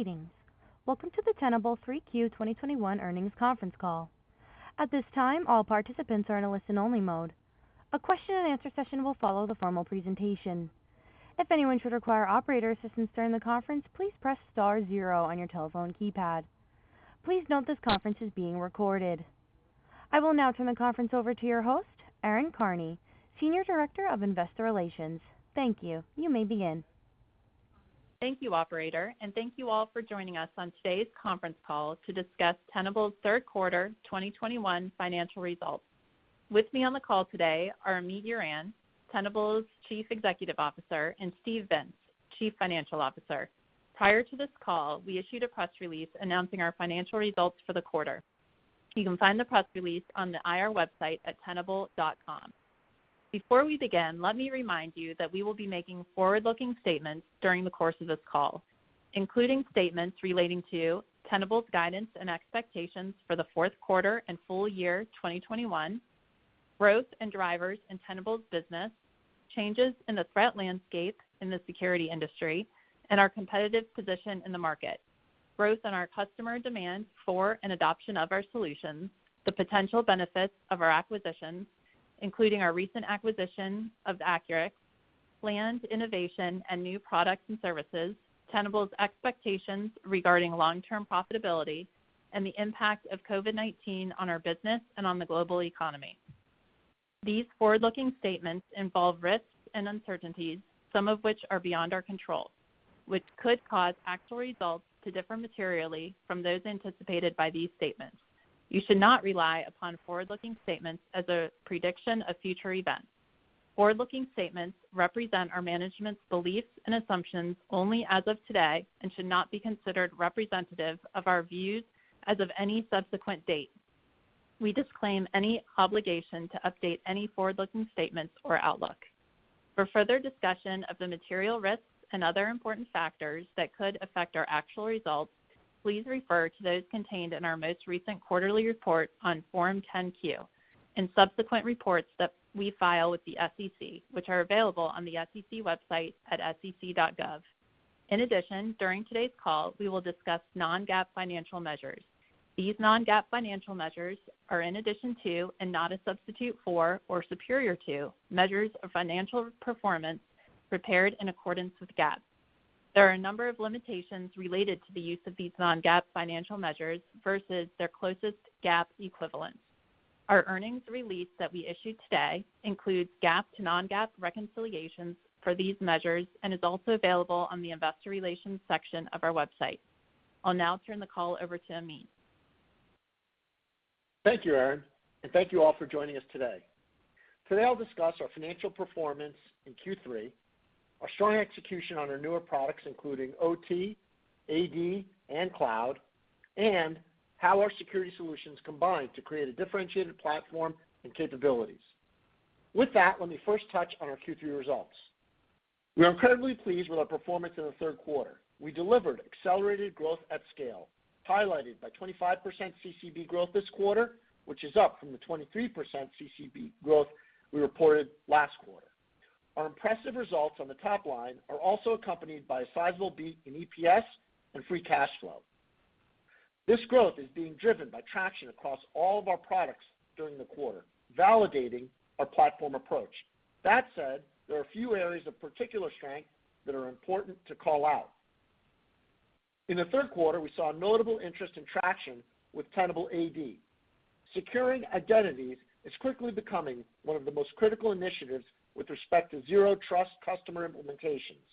Greetings. Welcome to the Tenable Q3 2021 earnings conference call. At this time, all participants are in a listen-only mode. A question-and-answer session will follow the formal presentation. If anyone should require operator assistance during the conference, please press star zero on your telephone keypad. Please note this conference is being recorded. I will now turn the conference over to your host, Erin Karney, Senior Director of Investor Relations. Thank you. You may begin. Thank you, operator, and thank you all for joining us on today's conference call to discuss Tenable's third quarter 2021 financial results. With me on the call today are Amit Yoran, Tenable's Chief Executive Officer, and Steve Vintz, Chief Financial Officer. Prior to this call, we issued a press release announcing our financial results for the quarter. You can find the press release on the IR website at tenable.com. Before we begin, let me remind you that we will be making forward-looking statements during the course of this call, including statements relating to Tenable's guidance and expectations for the fourth quarter and full year 2021, growth and drivers in Tenable's business, changes in the threat landscape in the security industry and our competitive position in the market, growth in our customer demand for and adoption of our solutions, the potential benefits of our acquisitions, including our recent acquisition of Accurics, planned innovation and new products and services, Tenable's expectations regarding long-term profitability, and the impact of COVID-19 on our business and on the global economy. These forward-looking statements involve risks and uncertainties, some of which are beyond our control, which could cause actual results to differ materially from those anticipated by these statements. You should not rely upon forward-looking statements as a prediction of future events. Forward-looking statements represent our management's beliefs and assumptions only as of today and should not be considered representative of our views as of any subsequent date. We disclaim any obligation to update any forward-looking statements or outlook. For further discussion of the material risks and other important factors that could affect our actual results, please refer to those contained in our most recent quarterly report on Form 10-Q and subsequent reports that we file with the SEC, which are available on the SEC website at sec.gov. In addition, during today's call, we will discuss non-GAAP financial measures. These non-GAAP financial measures are in addition to and not a substitute for or superior to measures of financial performance prepared in accordance with GAAP. There are a number of limitations related to the use of these non-GAAP financial measures versus their closest GAAP equivalents. Our earnings release that we issued today includes GAAP to non-GAAP reconciliations for these measures and is also available on the investor relations section of our website. I'll now turn the call over to Amit. Thank you, Erin, and thank you all for joining us today. Today, I'll discuss our financial performance in Q3, our strong execution on our newer products, including OT, AD, and cloud, and how our security solutions combine to create a differentiated platform and capabilities. With that, let me first touch on our Q3 results. We are incredibly pleased with our performance in the third quarter. We delivered accelerated growth at scale, highlighted by 25% CCB growth this quarter, which is up from the 23% CCB growth we reported last quarter. Our impressive results on the top line are also accompanied by a sizable beat in EPS and free cash flow. This growth is being driven by traction across all of our products during the quarter, validating our platform approach. That said, there are a few areas of particular strength that are important to call out. In the third quarter, we saw notable interest and traction with Tenable AD. Securing identities is quickly becoming one of the most critical initiatives with respect to zero trust customer implementations.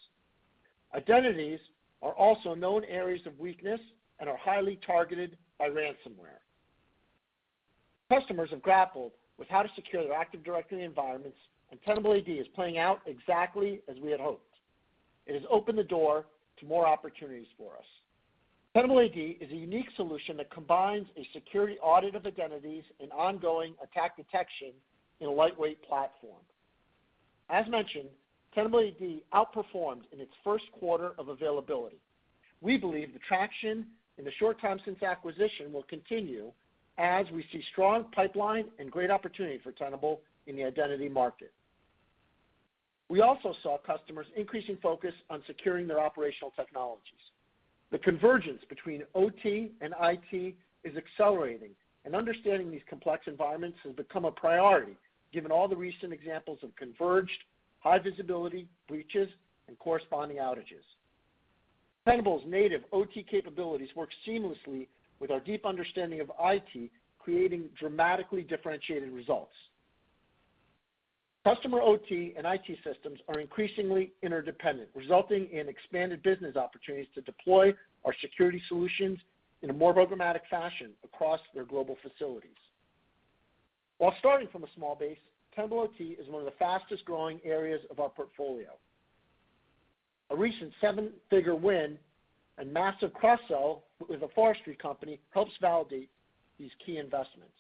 Identities are also known areas of weakness and are highly targeted by ransomware. Customers have grappled with how to secure their Active Directory environments, and Tenable AD is playing out exactly as we had hoped. It has opened the door to more opportunities for us. Tenable AD is a unique solution that combines a security audit of identities and ongoing attack detection in a lightweight platform. As mentioned, Tenable AD outperformed in its first quarter of availability. We believe the traction in the short time since acquisition will continue as we see strong pipeline and great opportunity for Tenable in the identity market. We also saw customers increasing focus on securing their operational technologies. The convergence between OT and IT is accelerating, and understanding these complex environments has become a priority, given all the recent examples of converged high-visibility breaches and corresponding outages. Tenable's native OT capabilities work seamlessly with our deep understanding of IT, creating dramatically differentiated results. Customer OT and IT systems are increasingly interdependent, resulting in expanded business opportunities to deploy our security solutions in a more programmatic fashion across their global facilities. While starting from a small base, Tenable OT is one of the fastest-growing areas of our portfolio. A recent seven-figure win and massive cross-sell with a forestry company helps validate these key investments.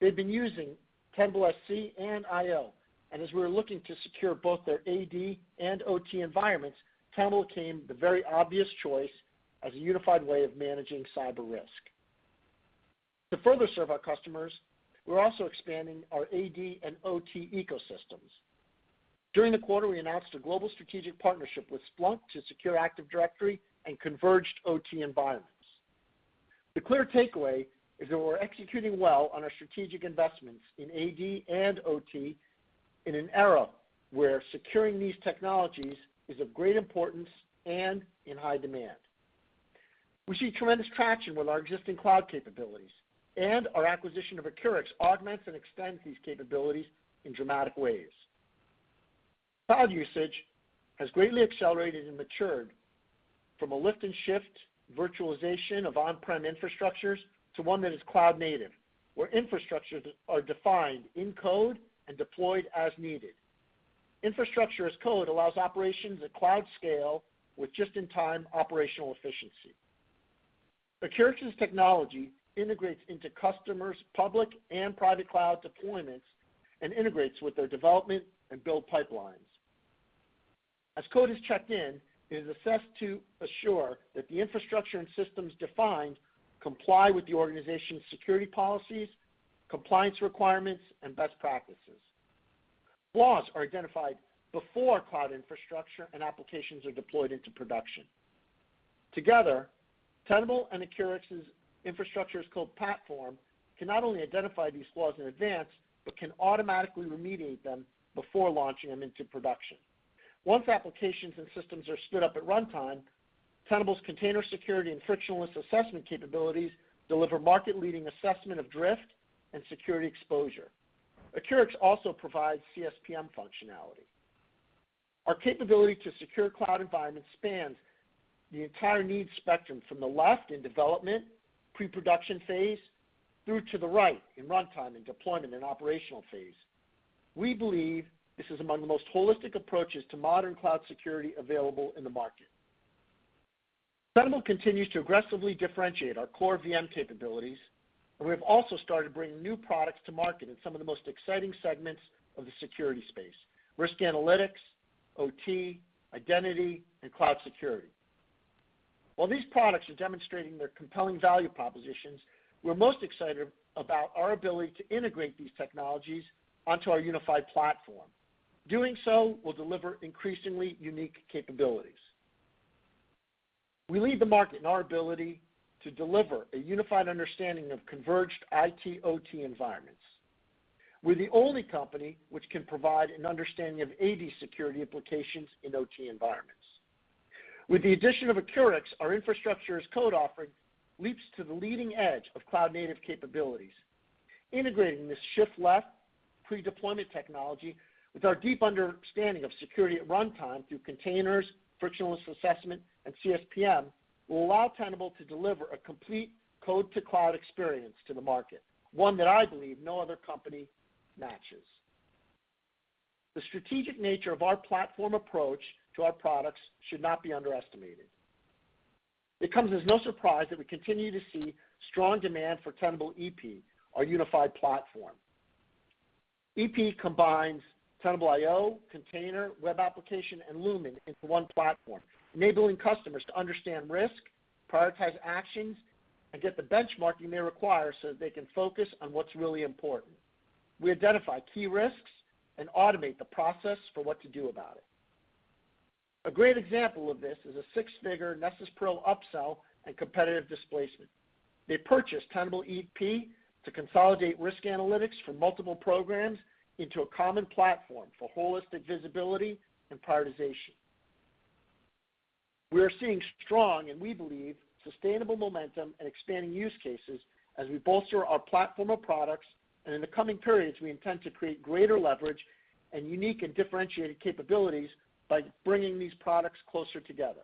They've been using Tenable.sc and Tenable.io, and as we were looking to secure both their AD and OT environments, Tenable became the very obvious choice as a unified way of managing cyber risk. To further serve our customers, we're also expanding our AD and OT ecosystems. During the quarter, we announced a global strategic partnership with Splunk to secure Active Directory and converged OT environments. The clear takeaway is that we're executing well on our strategic investments in AD and OT in an era where securing these technologies is of great importance and in high demand. We see tremendous traction with our existing cloud capabilities, and our acquisition of Accurics augments and extends these capabilities in dramatic ways. Cloud usage has greatly accelerated and matured from a lift and shift virtualization of on-prem infrastructures to one that is cloud native, where infrastructures are defined in code and deployed as needed. Infrastructure as code allows operations at cloud scale with just-in-time operational efficiency. Accurics technology integrates into customers' public and private cloud deployments and integrates with their development and build pipelines. As code is checked in, it is assessed to assure that the infrastructure and systems defined comply with the organization's security policies, compliance requirements, and best practices. Flaws are identified before cloud infrastructure and applications are deployed into production. Together, Tenable and Accurics infrastructure as code platform can not only identify these flaws in advance, but can automatically remediate them before launching them into production. Once applications and systems are stood up at runtime, Tenable's Container Security and Frictionless Assessment capabilities deliver market-leading assessment of drift and security exposure. Accurics also provides CSPM functionality. Our capability to secure cloud environments spans the entire needs spectrum from the left in development, pre-production phase, through to the right in runtime and deployment and operational phase. We believe this is among the most holistic approaches to modern cloud security available in the market. Tenable continues to aggressively differentiate our core VM capabilities, and we have also started bringing new products to market in some of the most exciting segments of the security space, risk analytics, OT, identity, and cloud security. While these products are demonstrating their compelling value propositions, we're most excited about our ability to integrate these technologies onto our unified platform. Doing so will deliver increasingly unique capabilities. We lead the market in our ability to deliver a unified understanding of converged IT/OT environments. We're the only company which can provide an understanding of AD security implications in OT environments. With the addition of Accurics, our infrastructure as code offering leaps to the leading edge of cloud-native capabilities. Integrating this shift-left pre-deployment technology with our deep understanding of security at runtime through containers, Frictionless Assessment, and CSPM will allow Tenable to deliver a complete code-to-cloud experience to the market, one that I believe no other company matches. The strategic nature of our platform approach to our products should not be underestimated. It comes as no surprise that we continue to see strong demand for Tenable.ep, our unified platform. Tenable.ep combines Tenable.io, Container Security, Web App Scanning, and Lumin into one platform, enabling customers to understand risk, prioritize actions, and get the benchmarking they require so that they can focus on what's really important. We identify key risks and automate the process for what to do about it. A great example of this is a six-figure Nessus Pro upsell and competitive displacement. They purchased Tenable.ep to consolidate risk analytics from multiple programs into a common platform for holistic visibility and prioritization. We are seeing strong, and we believe, sustainable momentum and expanding use cases as we bolster our platform of products, and in the coming periods, we intend to create greater leverage and unique and differentiated capabilities by bringing these products closer together.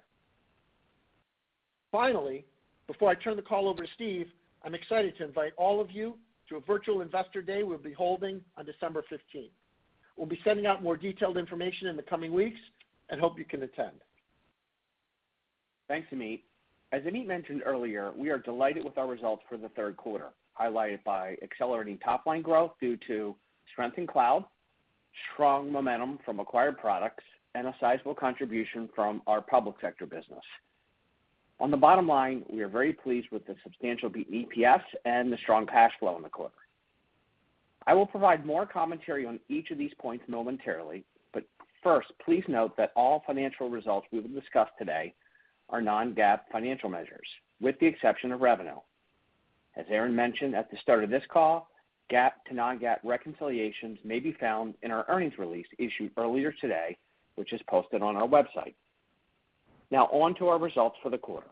Finally, before I turn the call over to Steve, I'm excited to invite all of you to a virtual investor day we'll be holding on December 15th. We'll be sending out more detailed information in the coming weeks and hope you can attend. Thanks, Amit. As Amit mentioned earlier, we are delighted with our results for the third quarter, highlighted by accelerating top-line growth due to strength in cloud, strong momentum from acquired products, and a sizable contribution from our public sector business. On the bottom line, we are very pleased with the substantial EPS and the strong cash flow in the quarter. I will provide more commentary on each of these points momentarily, but first, please note that all financial results we will discuss today are non-GAAP financial measures, with the exception of revenue. As Erin mentioned at the start of this call, GAAP to non-GAAP reconciliations may be found in our earnings release issued earlier today, which is posted on our website. Now on to our results for the quarter.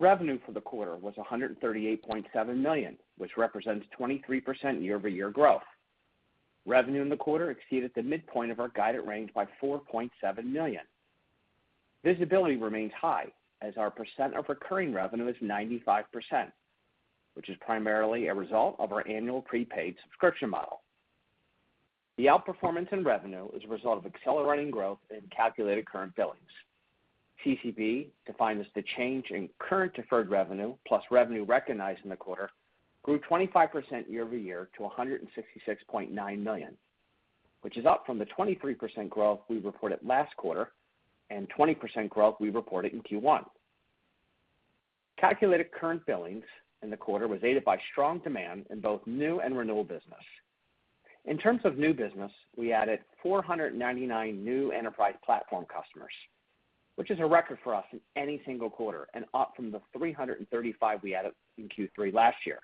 Revenue for the quarter was $138.7 million, which represents 23% year-over-year growth. Revenue in the quarter exceeded the midpoint of our guided range by $4.7 million. Visibility remains high as our percent of recurring revenue is 95%, which is primarily a result of our annual prepaid subscription model. The outperformance in revenue is a result of accelerating growth in calculated current billings. CCB, defined as the change in current deferred revenue plus revenue recognized in the quarter, grew 25% year-over-year to $166.9 million. Which is up from the 23% growth we reported last quarter and 20% growth we reported in Q1. Calculated current billings in the quarter was aided by strong demand in both new and renewal business. In terms of new business, we added 499 new enterprise platform customers, which is a record for us in any single quarter and up from the 335 we added in Q3 last year.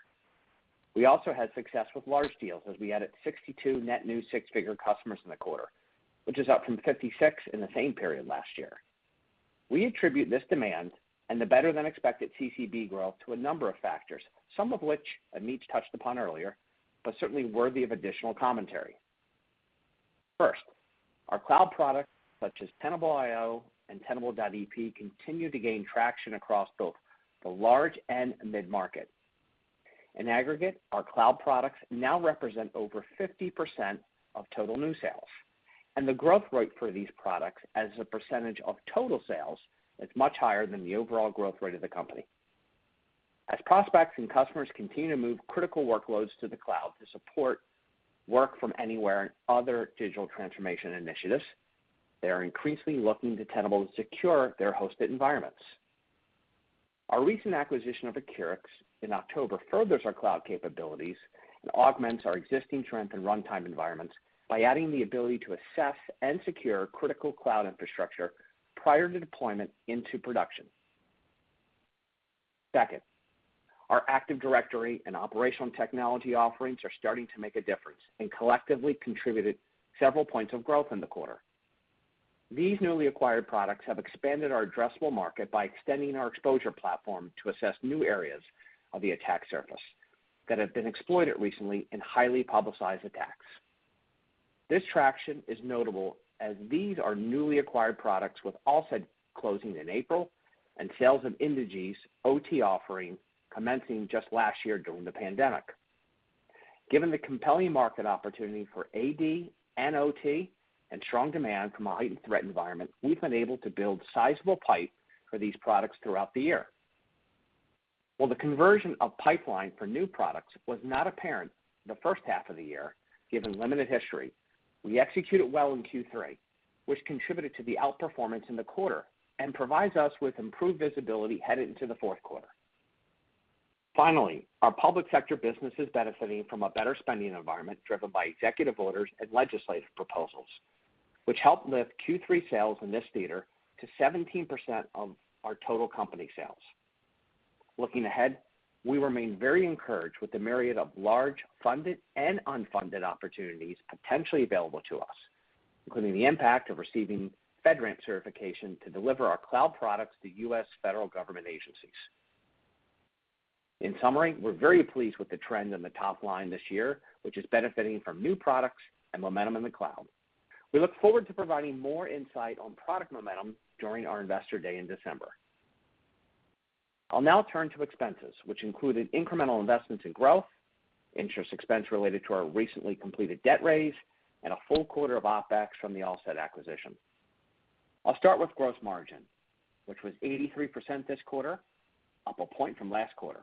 We also had success with large deals as we added 62 net new six-figure customers in the quarter, which is up from 56 in the same period last year. We attribute this demand and the better-than-expected CCB growth to a number of factors, some of which Amit touched upon earlier, but certainly worthy of additional commentary. First, our cloud products, such as Tenable.io and Tenable.ep, continue to gain traction across both the large and mid-market. In aggregate, our cloud products now represent over 50% of total new sales, and the growth rate for these products as a percentage of total sales is much higher than the overall growth rate of the company. As prospects and customers continue to move critical workloads to the cloud to support work from anywhere and other digital transformation initiatives, they are increasingly looking to Tenable to secure their hosted environments. Our recent acquisition of Accurics in October furthers our cloud capabilities and augments our existing strength and runtime environments by adding the ability to assess and secure critical cloud infrastructure prior to deployment into production. Second, our Active Directory and Operational Technology offerings are starting to make a difference and collectively contributed several points of growth in the quarter. These newly acquired products have expanded our addressable market by extending our exposure platform to assess new areas of the attack surface that have been exploited recently in highly publicized attacks. This traction is notable as these are newly acquired products, with Alsid closing in April and sales of Indegy's OT offering commencing just last year during the pandemic. Given the compelling market opportunity for AD and OT and strong demand from a heightened threat environment, we've been able to build sizable pipe for these products throughout the year. While the conversion of pipeline for new products was not apparent the first half of the year, given limited history, we executed well in Q3, which contributed to the outperformance in the quarter and provides us with improved visibility headed into the fourth quarter. Finally, our public sector business is benefiting from a better spending environment driven by executive orders and legislative proposals, which helped lift Q3 sales in this theater to 17% of our total company sales. Looking ahead, we remain very encouraged with the myriad of large funded and unfunded opportunities potentially available to us, including the impact of receiving FedRAMP certification to deliver our cloud products to U.S. federal government agencies. In summary, we're very pleased with the trend in the top line this year, which is benefiting from new products and momentum in the cloud. We look forward to providing more insight on product momentum during our Investor Day in December. I'll now turn to expenses, which included incremental investments in growth, interest expense related to our recently completed debt raise, and a full quarter of OpEx from the Alsid acquisition. I'll start with gross margin, which was 83% this quarter, up a point from last quarter.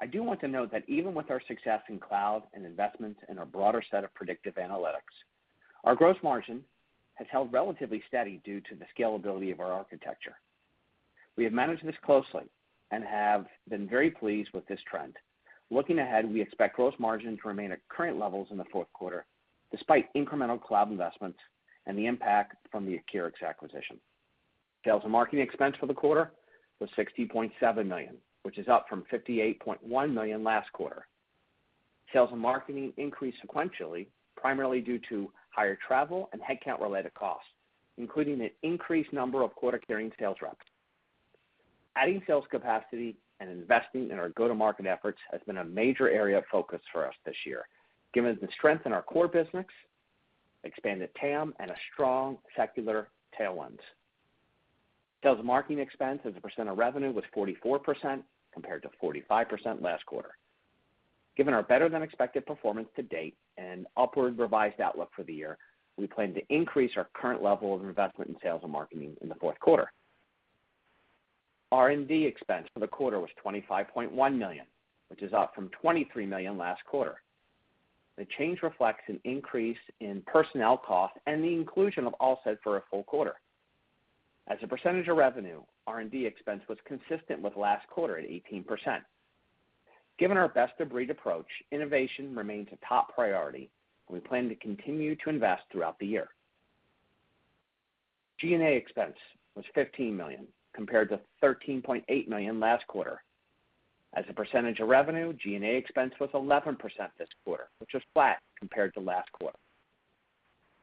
I do want to note that even with our success in cloud and investments in our broader set of predictive analytics, our gross margin has held relatively steady due to the scalability of our architecture. We have managed this closely and have been very pleased with this trend. Looking ahead, we expect gross margin to remain at current levels in the fourth quarter, despite incremental cloud investments and the impact from the Accurics acquisition. Sales and marketing expense for the quarter was $60.79 million, which is up from $58.1 million last quarter. Sales and marketing increased sequentially, primarily due to higher travel and headcount-related costs, including an increased number of quota-carrying sales reps. Adding sales capacity and investing in our go-to-market efforts has been a major area of focus for us this year, given the strength in our core business, expanded TAM, and a strong secular tailwind. Sales and marketing expense as a percent of revenue was 44% compared to 45% last quarter. Given our better-than-expected performance to date and upward revised outlook for the year, we plan to increase our current level of investment in sales and marketing in the fourth quarter. R&D expense for the quarter was $25.1 million, which is up from $23 million last quarter. The change reflects an increase in personnel costs and the inclusion of Alsid for a full quarter. As a percentage of revenue, R&D expense was consistent with last quarter at 18%. Given our best-of-breed approach, innovation remains a top priority, and we plan to continue to invest throughout the year. G&A expense was $15 million, compared to $13.8 million last quarter. As a percentage of revenue, G&A expense was 11% this quarter, which was flat compared to last quarter.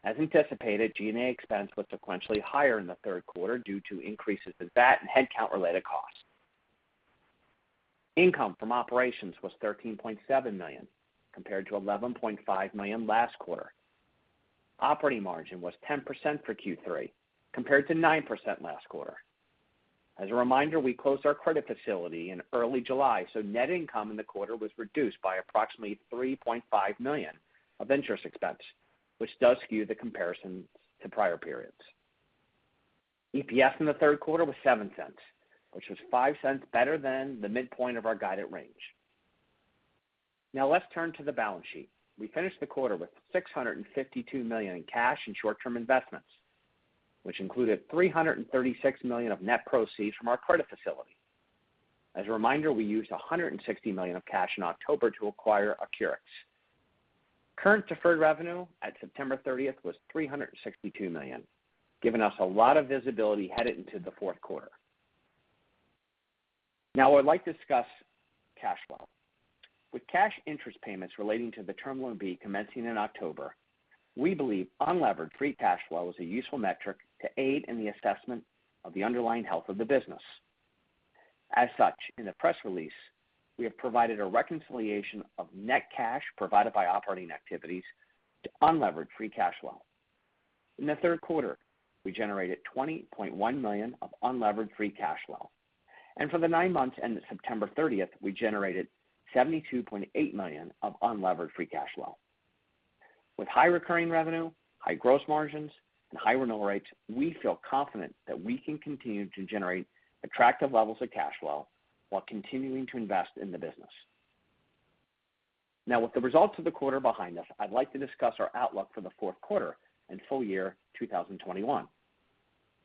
As anticipated, G&A expense was sequentially higher in the third quarter due to increases in VAT and headcount-related costs. Income from operations was $13.7 million, compared to $11.5 million last quarter. Operating margin was 10% for Q3, compared to 9% last quarter. As a reminder, we closed our credit facility in early July, so net income in the quarter was reduced by approximately $3.5 million of interest expense, which does skew the comparison to prior periods. EPS in the third quarter was $0.07, which was $0.05 better than the midpoint of our guided range. Now let's turn to the balance sheet. We finished the quarter with $652 million in cash and short-term investments, which included $336 million of net proceeds from our credit facility. As a reminder, we used $160 million of cash in October to acquire Accurics. Current deferred revenue at September 30th was $362 million, giving us a lot of visibility headed into the fourth quarter. Now I'd like to discuss cash flow. With cash interest payments relating to the Term Loan B commencing in October, we believe unlevered free cash flow is a useful metric to aid in the assessment of the underlying health of the business. As such, in the press release, we have provided a reconciliation of net cash provided by operating activities to unlevered free cash flow. In the third quarter, we generated $20.1 million of unlevered free cash flow, and for the nine months ended September 30th, we generated $72.8 million of unlevered free cash flow. With high recurring revenue, high gross margins, and high renewal rates, we feel confident that we can continue to generate attractive levels of cash flow while continuing to invest in the business. Now with the results of the quarter behind us, I'd like to discuss our outlook for the fourth quarter and full year 2021.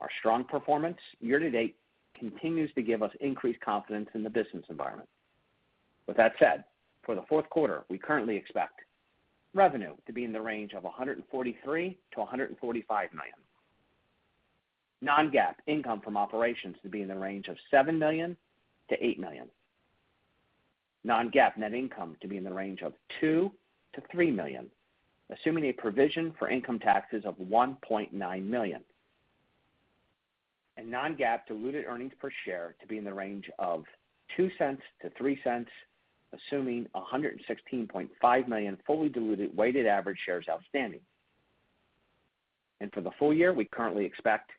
Our strong performance year-to-date continues to give us increased confidence in the business environment. With that said, for the fourth quarter, we currently expect revenue to be in the range of $143 million-$145 million. Non-GAAP income from operations to be in the range of $7 million-$8 million. Non-GAAP net income to be in the range of $2 million-$3 million, assuming a provision for income taxes of $1.9 million. Non-GAAP diluted earnings per share to be in the range of $0.02-$0.03, assuming 116.5 million fully diluted weighted average shares outstanding. For the full year, we currently expect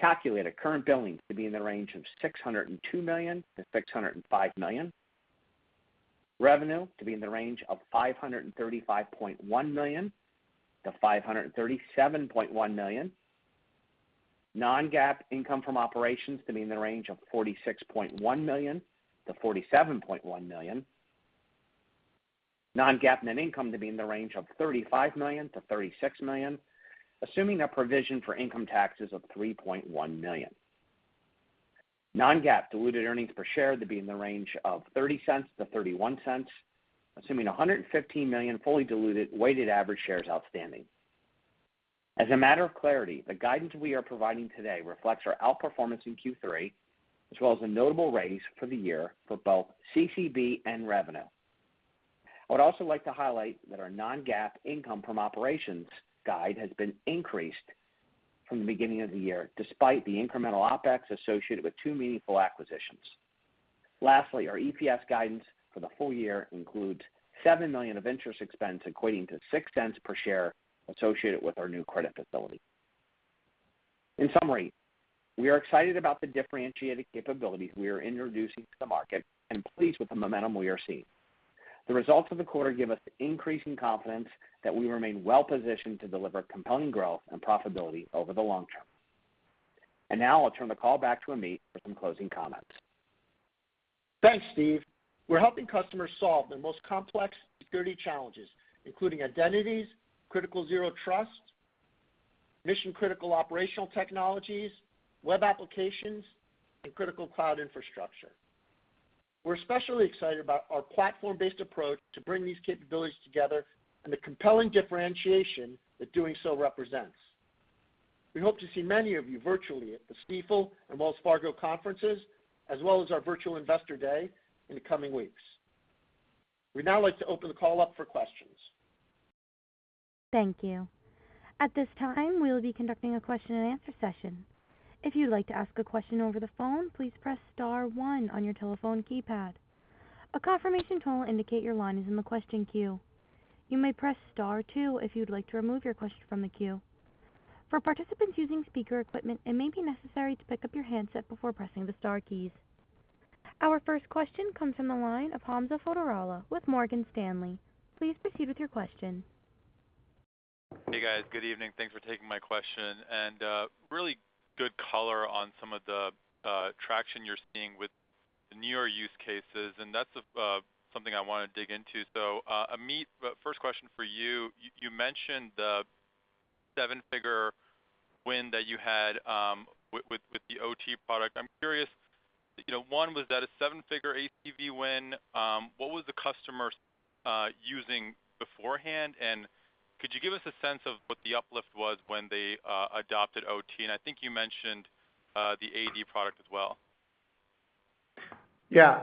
calculated current billings to be in the range of $602 million-$605 million. Revenue to be in the range of $535.1 million-$537.1 million. Non-GAAP income from operations to be in the range of $46.1 million-$47.1 million. Non-GAAP net income to be in the range of $35 million-$36 million, assuming a provision for income taxes of $3.1 million. Non-GAAP diluted earnings per share to be in the range of $0.30-$0.31, assuming 115 million fully diluted weighted average shares outstanding. As a matter of clarity, the guidance we are providing today reflects our outperformance in Q3, as well as a notable raise for the year for both CCB and revenue. I would also like to highlight that our non-GAAP income from operations guide has been increased from the beginning of the year, despite the incremental OpEx associated with two meaningful acquisitions. Lastly, our EPS guidance for the full year includes $7 million of interest expense equating to $0.06 per share associated with our new credit facility. In summary, we are excited about the differentiated capabilities we are introducing to the market and pleased with the momentum we are seeing. The results of the quarter give us increasing confidence that we remain well-positioned to deliver compelling growth and profitability over the long term. Now I'll turn the call back to Amit for some closing comments. Thanks, Steve. We're helping customers solve the most complex security challenges, including identities, critical zero trust, mission-critical operational technologies, web applications, and critical cloud infrastructure. We're especially excited about our platform-based approach to bring these capabilities together and the compelling differentiation that doing so represents. We hope to see many of you virtually at the Stifel and Wells Fargo conferences, as well as our virtual Investor Day in the coming weeks. We'd now like to open the call up for questions. Thank you. At this time, we will be conducting a question-and-answer session. If you'd like to ask a question over the phone, please press star one on your telephone keypad. A confirmation tone will indicate your line is in the question queue. You may press star two if you'd like to remove your question from the queue. For participants using speaker equipment, it may be necessary to pick up your handset before pressing the star keys. Our first question comes from the line of Hamza Fodderwala with Morgan Stanley. Please proceed with your question. Hey, guys. Good evening. Thanks for taking my question. Really good color on some of the traction you're seeing with the newer use cases, and that's something I want to dig into. Amit, first question for you. You mentioned the seven-figure win that you had with the OT product. I'm curious, you know, one, was that a seven-figure ACV win? What was the customer using beforehand? And could you give us a sense of what the uplift was when they adopted OT? And I think you mentioned the AD product as well. Yeah.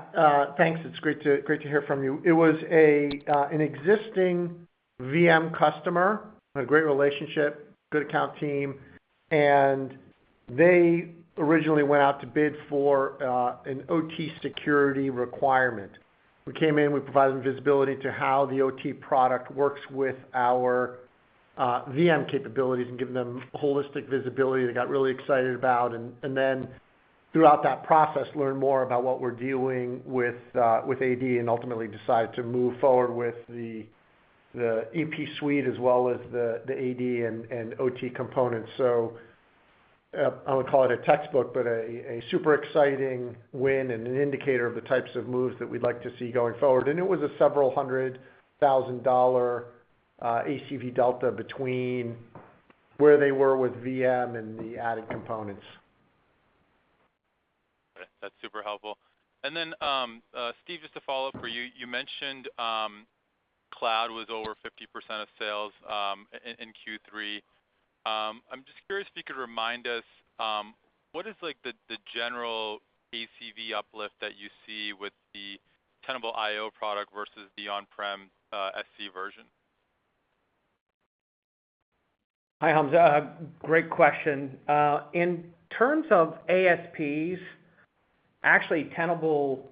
Thanks. It's great to hear from you. It was an existing VM customer, a great relationship, good account team, and they originally went out to bid for an OT security requirement. We came in, we provided them visibility to how the OT product works with our VM capabilities and giving them holistic visibility they got really excited about. Then throughout that process, learned more about what we're doing with AD and ultimately decided to move forward with the The Tenable.ep suite as well as the AD and OT components. I would call it a textbook, but a super exciting win and an indicator of the types of moves that we'd like to see going forward. It was a several hundred thousand dollar ACV delta between where they were with VM and the added components. Okay. That's super helpful. Steve, just to follow up for you. You mentioned cloud was over 50% of sales in Q3. I'm just curious if you could remind us what is like the general ACV uplift that you see with the Tenable.io product versus the on-prem SC version? Hi, Hamza. Great question. In terms of ASPs, actually, Tenable.io,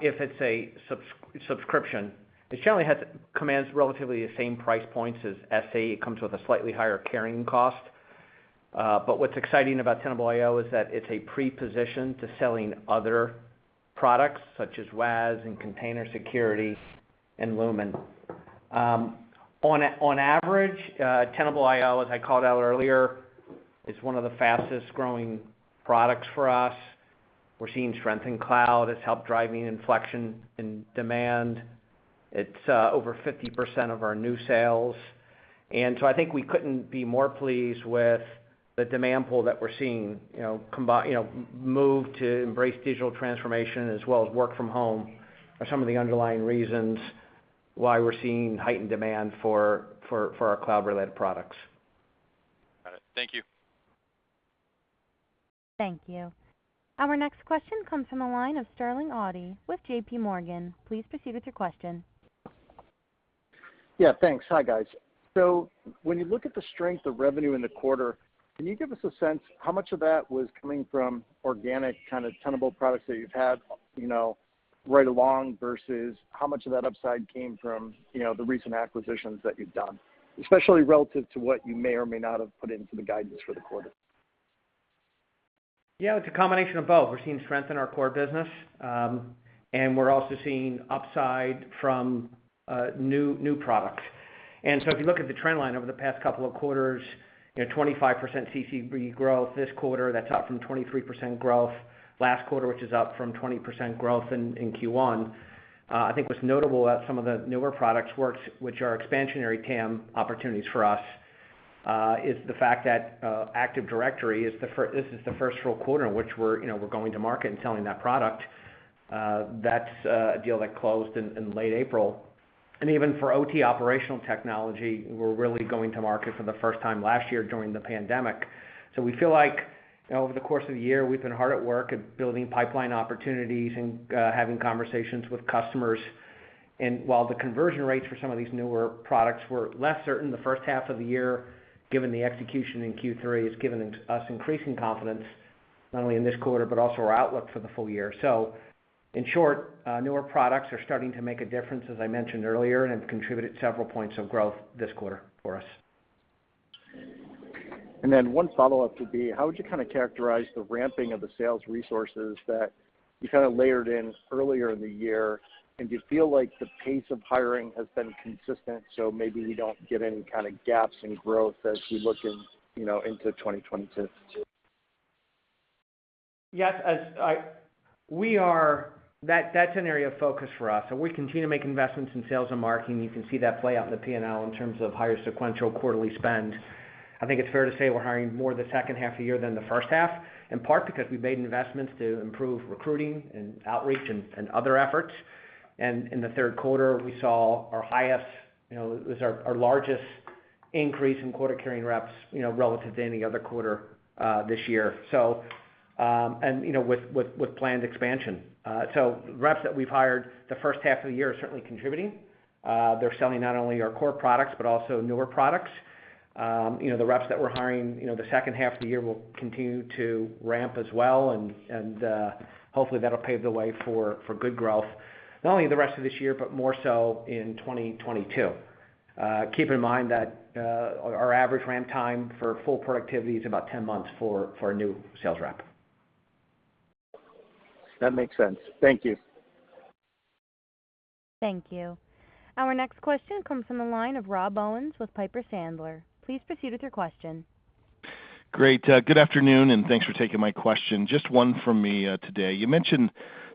if it's a subscription, it generally commands relatively the same price points as Tenable.sc. It comes with a slightly higher carrying cost. But what's exciting about Tenable.io is that it's positioned to sell other products such as WAS and Container Security and Lumin. On average, Tenable.io, as I called out earlier, is one of the fastest-growing products for us. We're seeing strength in cloud. It's helping drive inflection in demand. It's over 50% of our new sales. I think we couldn't be more pleased with the demand pool that we're seeing, you know, combined, you know, the move to embrace digital transformation as well as work from home are some of the underlying reasons why we're seeing heightened demand for our cloud-related products. Got it. Thank you. Thank you. Our next question comes from the line of Sterling Auty with JPMorgan. Please proceed with your question. Yeah. Thanks. Hi, guys. When you look at the strength of revenue in the quarter, can you give us a sense how much of that was coming from organic kind of Tenable products that you've had, you know, right along, versus how much of that upside came from, you know, the recent acquisitions that you've done, especially relative to what you may or may not have put into the guidance for the quarter? Yeah. It's a combination of both. We're seeing strength in our core business, and we're also seeing upside from new products. If you look at the trend line over the past couple of quarters, you know, 25% CCB growth this quarter, that's up from 23% growth last quarter, which is up from 20% growth in Q1. I think what's notable about some of the newer products, which are expansionary TAM opportunities for us, is the fact that this is the first full quarter in which we're, you know, going to market and selling that product. That's a deal that closed in late April. Even for OT, operational technology, we're really going to market for the first time last year during the pandemic. We feel like, you know, over the course of the year, we've been hard at work at building pipeline opportunities and, having conversations with customers. While the conversion rates for some of these newer products were less certain the first half of the year, given the execution in Q3 has given us increasing confidence, not only in this quarter, but also our outlook for the full year. In short, newer products are starting to make a difference, as I mentioned earlier, and have contributed several points of growth this quarter for us. One follow-up would be, how would you kind of characterize the ramping of the sales resources that you kind of layered in earlier in the year? Do you feel like the pace of hiring has been consistent, so maybe you don't get any kind of gaps in growth as you look in, you know, into 2022? Yes. That's an area of focus for us, and we continue to make investments in sales and marketing. You can see that play out in the P&L in terms of higher sequential quarterly spend. I think it's fair to say we're hiring more the second half of the year than the first half, in part because we've made investments to improve recruiting and outreach and other efforts. In the third quarter, we saw our largest increase in quota carrying reps, you know, relative to any other quarter this year, so, you know, with planned expansion. Reps that we've hired the first half of the year are certainly contributing. They're selling not only our core products but also newer products. You know, the reps that we're hiring, you know, the second half of the year will continue to ramp as well, and hopefully, that'll pave the way for good growth, not only the rest of this year, but more so in 2022. Keep in mind that our average ramp time for full productivity is about 10 months for a new sales rep. That makes sense. Thank you. Thank you. Our next question comes from the line of Rob Owens with Piper Sandler. Please proceed with your question. Great. Good afternoon, and thanks for taking my question. Just one from me, today. You mentioned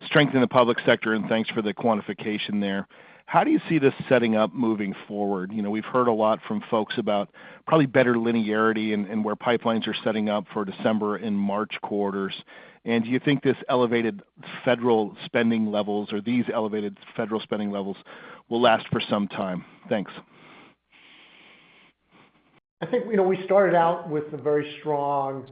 strength in the public sector, and thanks for the quantification there. How do you see this setting up moving forward? You know, we've heard a lot from folks about probably better linearity and where pipelines are setting up for December and March quarters. Do you think these elevated federal spending levels will last for some time? Thanks. I think, you know, we started out with a very strong,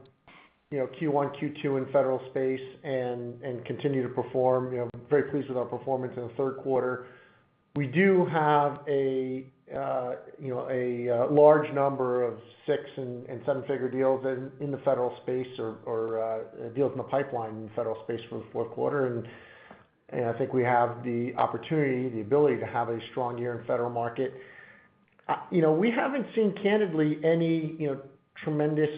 you know, Q1, Q2 in federal space and continue to perform, you know, very pleased with our performance in the third quarter. We do have a you know large number of six- and seven-figure deals in the federal space or deals in the pipeline in federal space for the fourth quarter. I think we have the opportunity, the ability to have a strong year in federal market. You know, we haven't seen candidly any, you know, tremendous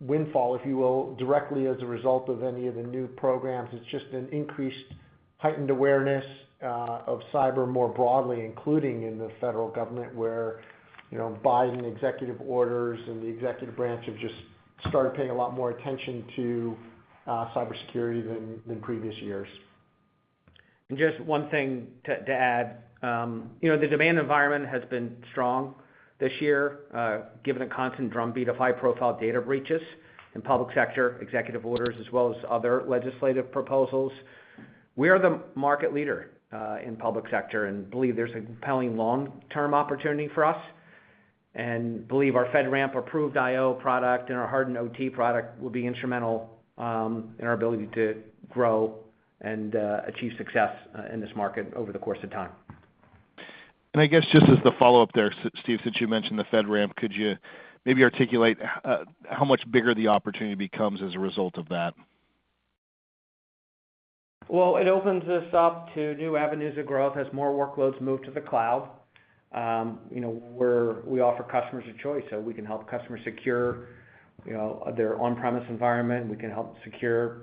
windfall, if you will, directly as a result of any of the new programs. It's just an increased heightened awareness of cyber more broadly, including in the federal government, where, you know, Biden executive orders and the executive branch have just started paying a lot more attention to cybersecurity than previous years. Just one thing to add. You know, the demand environment has been strong this year, given the constant drumbeat of high-profile data breaches in public sector executive orders as well as other legislative proposals. We are the market leader in public sector and believe there's a compelling long-term opportunity for us, and believe our FedRAMP-approved IO product and our hardened OT product will be instrumental in our ability to grow and achieve success in this market over the course of time. I guess just as the follow-up there, Steve, since you mentioned the FedRAMP, could you maybe articulate how much bigger the opportunity becomes as a result of that? Well, it opens us up to new avenues of growth as more workloads move to the cloud. You know, we offer customers a choice, so we can help customers secure, you know, their on-premise environment. We can help secure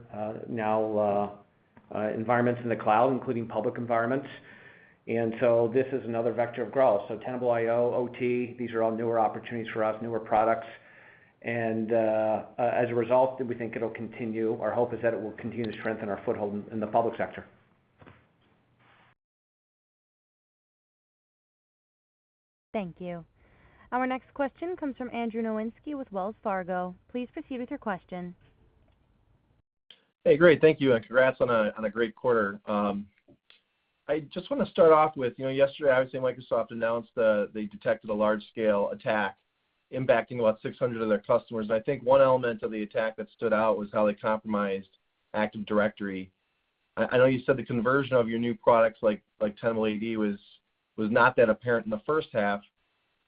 environments in the cloud, including public environments. This is another vector of growth. Tenable.io, OT, these are all newer opportunities for us, newer products. As a result, we think it'll continue. Our hope is that it will continue to strengthen our foothold in the public sector. Thank you. Our next question comes from Andrew Nowinski with Wells Fargo. Please proceed with your question. Hey, great. Thank you, and congrats on a great quarter. I just wanna start off with, you know, yesterday, I would say Microsoft announced they detected a large-scale attack impacting about 600 of their customers. I think one element of the attack that stood out was how they compromised Active Directory. I know you said the conversion of your new products like Tenable AD was not that apparent in the first half.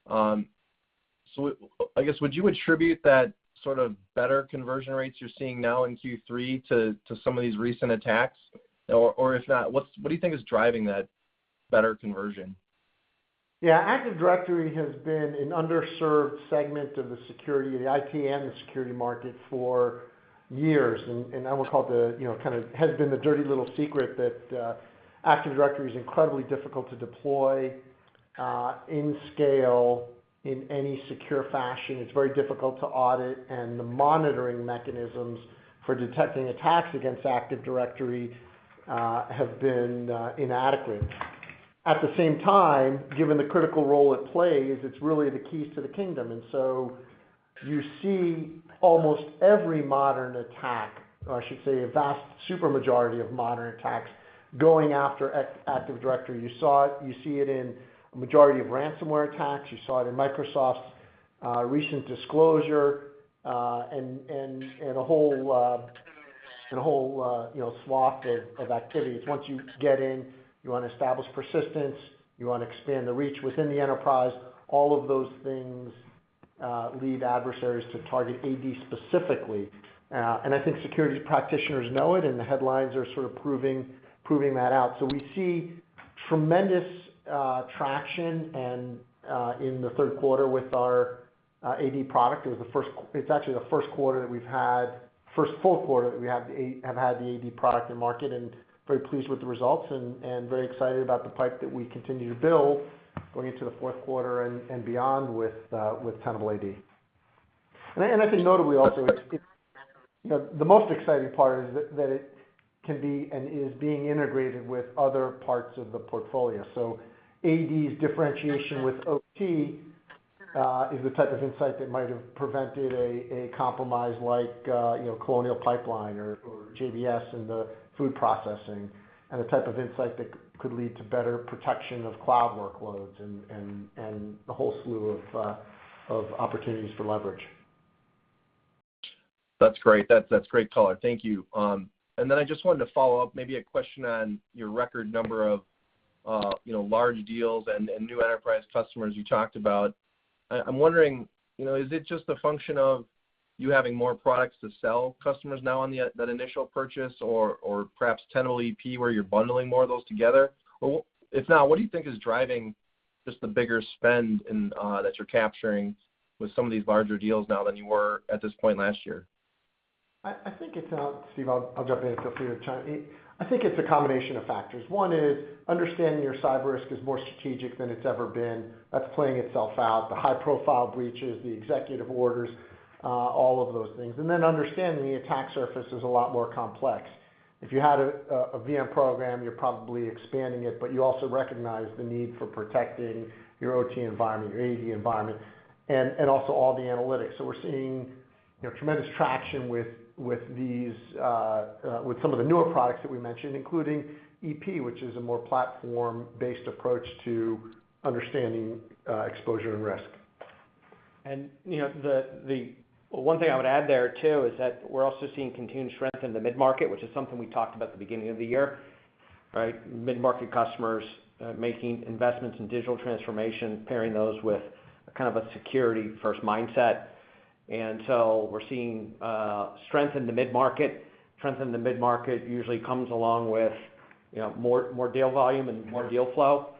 So I guess, would you attribute that sort of better conversion rates you're seeing now in Q3 to some of these recent attacks? Or if not, what do you think is driving that better conversion? Yeah. Active Directory has been an underserved segment of the security, the IT and the security market for years. I would call it the, you know, kind of has been the dirty little secret that Active Directory is incredibly difficult to deploy in scale in any secure fashion. It's very difficult to audit, and the monitoring mechanisms for detecting attacks against Active Directory have been inadequate. At the same time, given the critical role it plays, it's really the keys to the kingdom. You see almost every modern attack, or I should say, a vast super majority of modern attacks going after Active Directory. You saw it. You see it in a majority of ransomware attacks. You saw it in Microsoft's recent disclosure, and a whole, you know, swath of activities. Once you get in, you wanna establish persistence, you wanna expand the reach within the enterprise. All of those things lead adversaries to target AD specifically. I think security practitioners know it, and the headlines are sort of proving that out. We see tremendous traction in the third quarter with our AD product. It's actually the first quarter that we've had. First full quarter that we have had the AD product in market and very pleased with the results and very excited about the pipe that we continue to build going into the fourth quarter and beyond with Tenable AD. I think notably also, you know, the most exciting part is that it can be and is being integrated with other parts of the portfolio. AD's differentiation with OT is the type of insight that might have prevented a compromise like you know Colonial Pipeline or JBS in the food processing, and the type of insight that could lead to better protection of cloud workloads and a whole slew of opportunities for leverage. That's great. That's great color. Thank you. I just wanted to follow up maybe a question on your record number of large deals and new enterprise customers you talked about. I'm wondering, you know, is it just a function of you having more products to sell customers now on the initial purchase or perhaps Tenable.ep where you're bundling more of those together? Or if not, what do you think is driving just the bigger spend and that you're capturing with some of these larger deals now than you were at this point last year? I think it's a combination of factors. One is understanding your cyber risk is more strategic than it's ever been. That's playing itself out. The high-profile breaches, the executive orders, all of those things. Then understanding the attack surface is a lot more complex. If you had a VM program, you're probably expanding it, but you also recognize the need for protecting your OT environment, your AD environment, and also all the analytics. We're seeing, you know, tremendous traction with these with some of the newer products that we mentioned, including EP, which is a more platform-based approach to understanding exposure and risk. You know, one thing I would add there, too, is that we're also seeing continued strength in the mid-market, which is something we talked about at the beginning of the year, right? Mid-market customers making investments in digital transformation, pairing those with a kind of a security-first mindset. We're seeing strength in the mid-market. Strength in the mid-market usually comes along with, you know, more deal volume and more deal flow.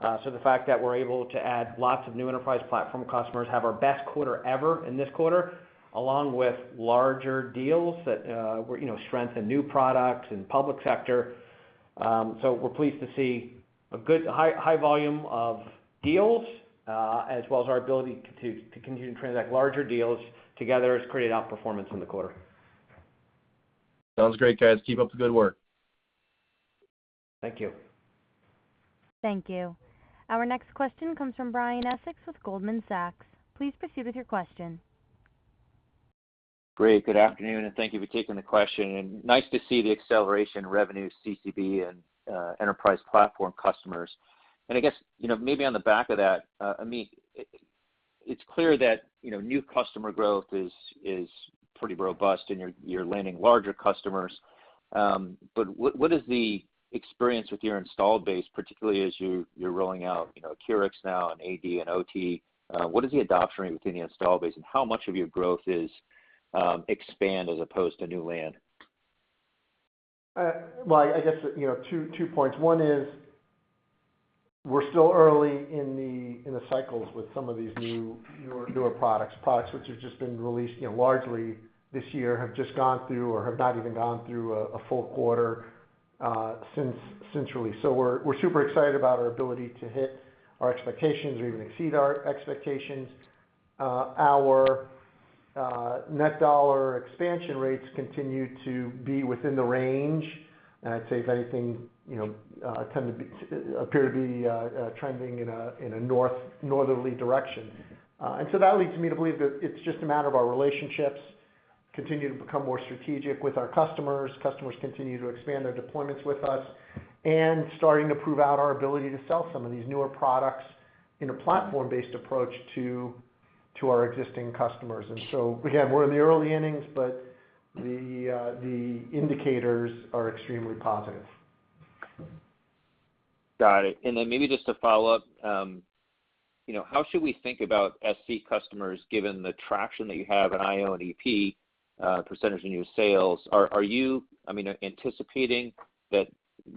The fact that we're able to add lots of new enterprise platform customers, have our best quarter ever in this quarter, along with larger deals that, you know, strength in new products and public sector. We're pleased to see a good high volume of deals, as well as our ability to continue to transact larger deals together has created outperformance in the quarter. Sounds great, guys. Keep up the good work. Thank you. Thank you. Our next question comes from Brian Essex with Goldman Sachs. Please proceed with your question. Great. Good afternoon, and thank you for taking the question, and nice to see the acceleration in revenue CCB and enterprise platform customers. I guess, you know, maybe on the back of that, Amit, it's clear that, you know, new customer growth is pretty robust and you're landing larger customers. But what is the experience with your installed base, particularly as you're rolling out, you know, Accurics now and AD and OT? What is the adoption rate within the install base? And how much of your growth is expand as opposed to new land? Well, I guess, you know, two points. One is we're still early in the cycles with some of these newer products which have just been released, you know, largely this year, have just gone through or have not even gone through a full quarter since release. We're super excited about our ability to hit our expectations or even exceed our expectations. Our net dollar expansion rates continue to be within the range. I'd say if anything, you know, appear to be trending in a northerly direction. That leads me to believe that it's just a matter of our relationships continue to become more strategic with our customers. Customers continue to expand their deployments with us and starting to prove out our ability to sell some of these newer products in a platform-based approach to our existing customers. Again, we're in the early innings, but the indicators are extremely positive. Got it. Then maybe just to follow up, you know, how should we think about SC customers given the traction that you have in IO and EP, percentage of new sales? Are you, I mean, anticipating that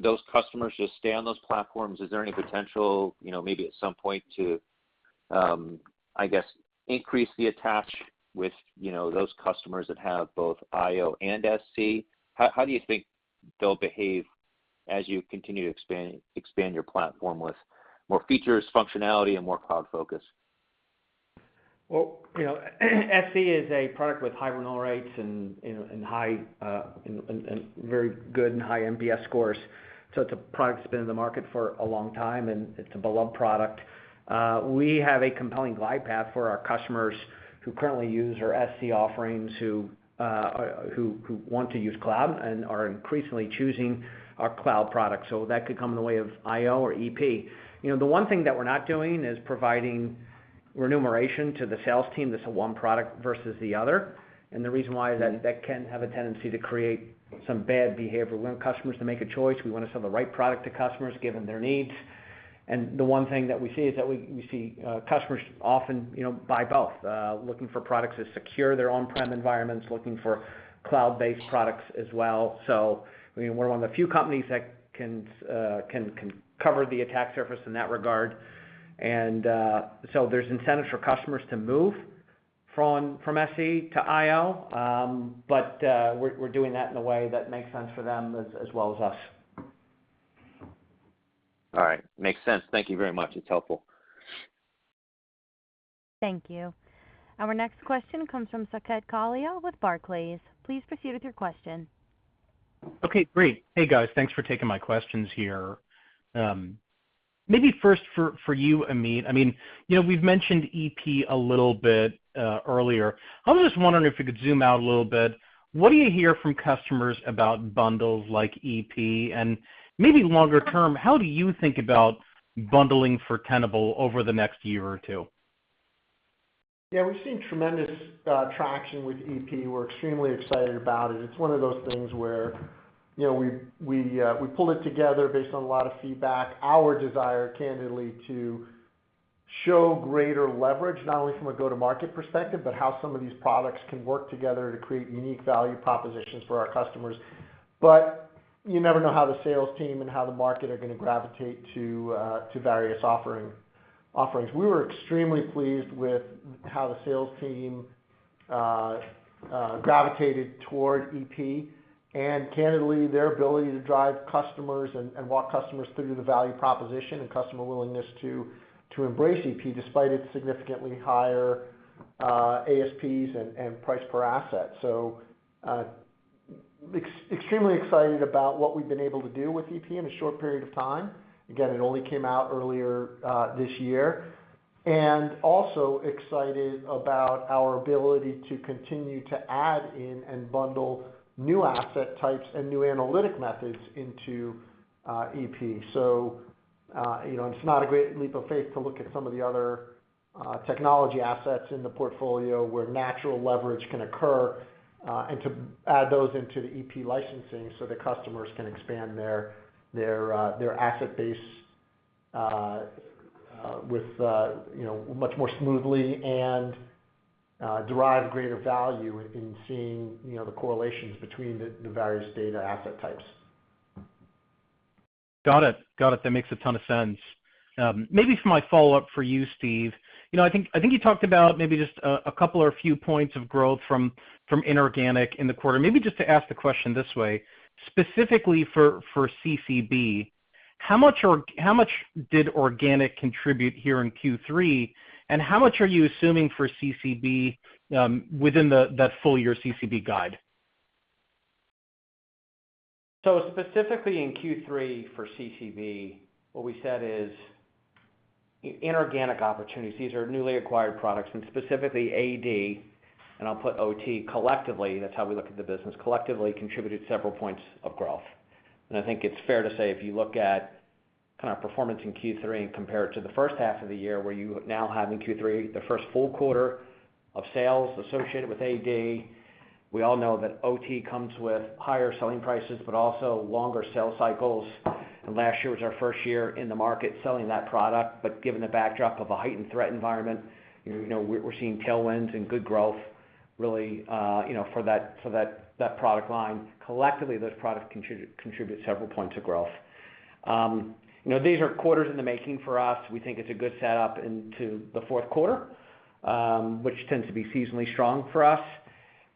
those customers just stay on those platforms? Is there any potential, you know, maybe at some point to, I guess, increase the attach with, you know, those customers that have both IO and SC? How do you think they'll behave as you continue to expand your platform with more features, functionality and more cloud focus? Well, you know, SC is a product with high renewal rates and very good and high NPS scores. It's a product that's been in the market for a long time, and it's a beloved product. We have a compelling glide path for our customers who currently use our SC offerings, who want to use cloud and are increasingly choosing our cloud product. That could come in the way of IO or EP. You know, the one thing that we're not doing is providing remuneration to the sales team that's one product versus the other. The reason why is that can have a tendency to create some bad behavior. We want customers to make a choice. We want to sell the right product to customers given their needs. The one thing that we see is that we see customers often, you know, buy both, looking for products that secure their on-prem environments, looking for cloud-based products as well. I mean, we're one of the few companies that can cover the attack surface in that regard. There's incentive for customers to move from SC to IO. We're doing that in a way that makes sense for them as well as us. All right. Makes sense. Thank you very much. It's helpful. Thank you. Our next question comes from Saket Kalia with Barclays. Please proceed with your question. Okay, great. Hey, guys. Thanks for taking my questions here. Maybe first for you, Amit. I mean, you know, we've mentioned EP a little bit earlier. I was just wondering if you could zoom out a little bit. What do you hear from customers about bundles like EP? And maybe longer term, how do you think about bundling for Tenable over the next year or two? Yeah, we've seen tremendous traction with EP. We're extremely excited about it. It's one of those things where, you know, we pull it together based on a lot of feedback, our desire, candidly, to show greater leverage, not only from a go-to-market perspective, but how some of these products can work together to create unique value propositions for our customers. You never know how the sales team and how the market are gonna gravitate to various offerings. We were extremely pleased with how the sales team gravitated toward EP. Candidly, their ability to drive customers and walk customers through the value proposition and customer willingness to embrace EP despite its significantly higher ASPs and price per asset. Extremely excited about what we've been able to do with EP in a short period of time. Again, it only came out earlier this year. Also excited about our ability to continue to add in and bundle new asset types and new analytic methods into EP. You know, it's not a great leap of faith to look at some of the other technology assets in the portfolio where natural leverage can occur and to add those into the EP licensing so the customers can expand their their asset base with you know much more smoothly and derive greater value in seeing you know the correlations between the various data asset types. Got it. That makes a ton of sense. Maybe for my follow-up for you, Steve. You know, I think you talked about maybe just a couple or a few points of growth from inorganic in the quarter. Maybe just to ask the question this way, specifically for CCB, how much did organic contribute here in Q3, and how much are you assuming for CCB within that full year CCB guide? Specifically in Q3 for CCB, what we said is inorganic opportunities, these are newly acquired products and specifically AD, and I'll put OT collectively, that's how we look at the business, collectively contributed several points of growth. I think it's fair to say if you look at kind of performance in Q3 compared to the first half of the year where you now have in Q3 the first full quarter of sales associated with AD. We all know that OT comes with higher selling prices, but also longer sales cycles. Last year was our first year in the market selling that product. Given the backdrop of a heightened threat environment, you know, we're seeing tailwinds and good growth really, you know, for that product line. Collectively, those products contribute several points of growth. You know, these are quarters in the making for us. We think it's a good setup into the fourth quarter, which tends to be seasonally strong for us.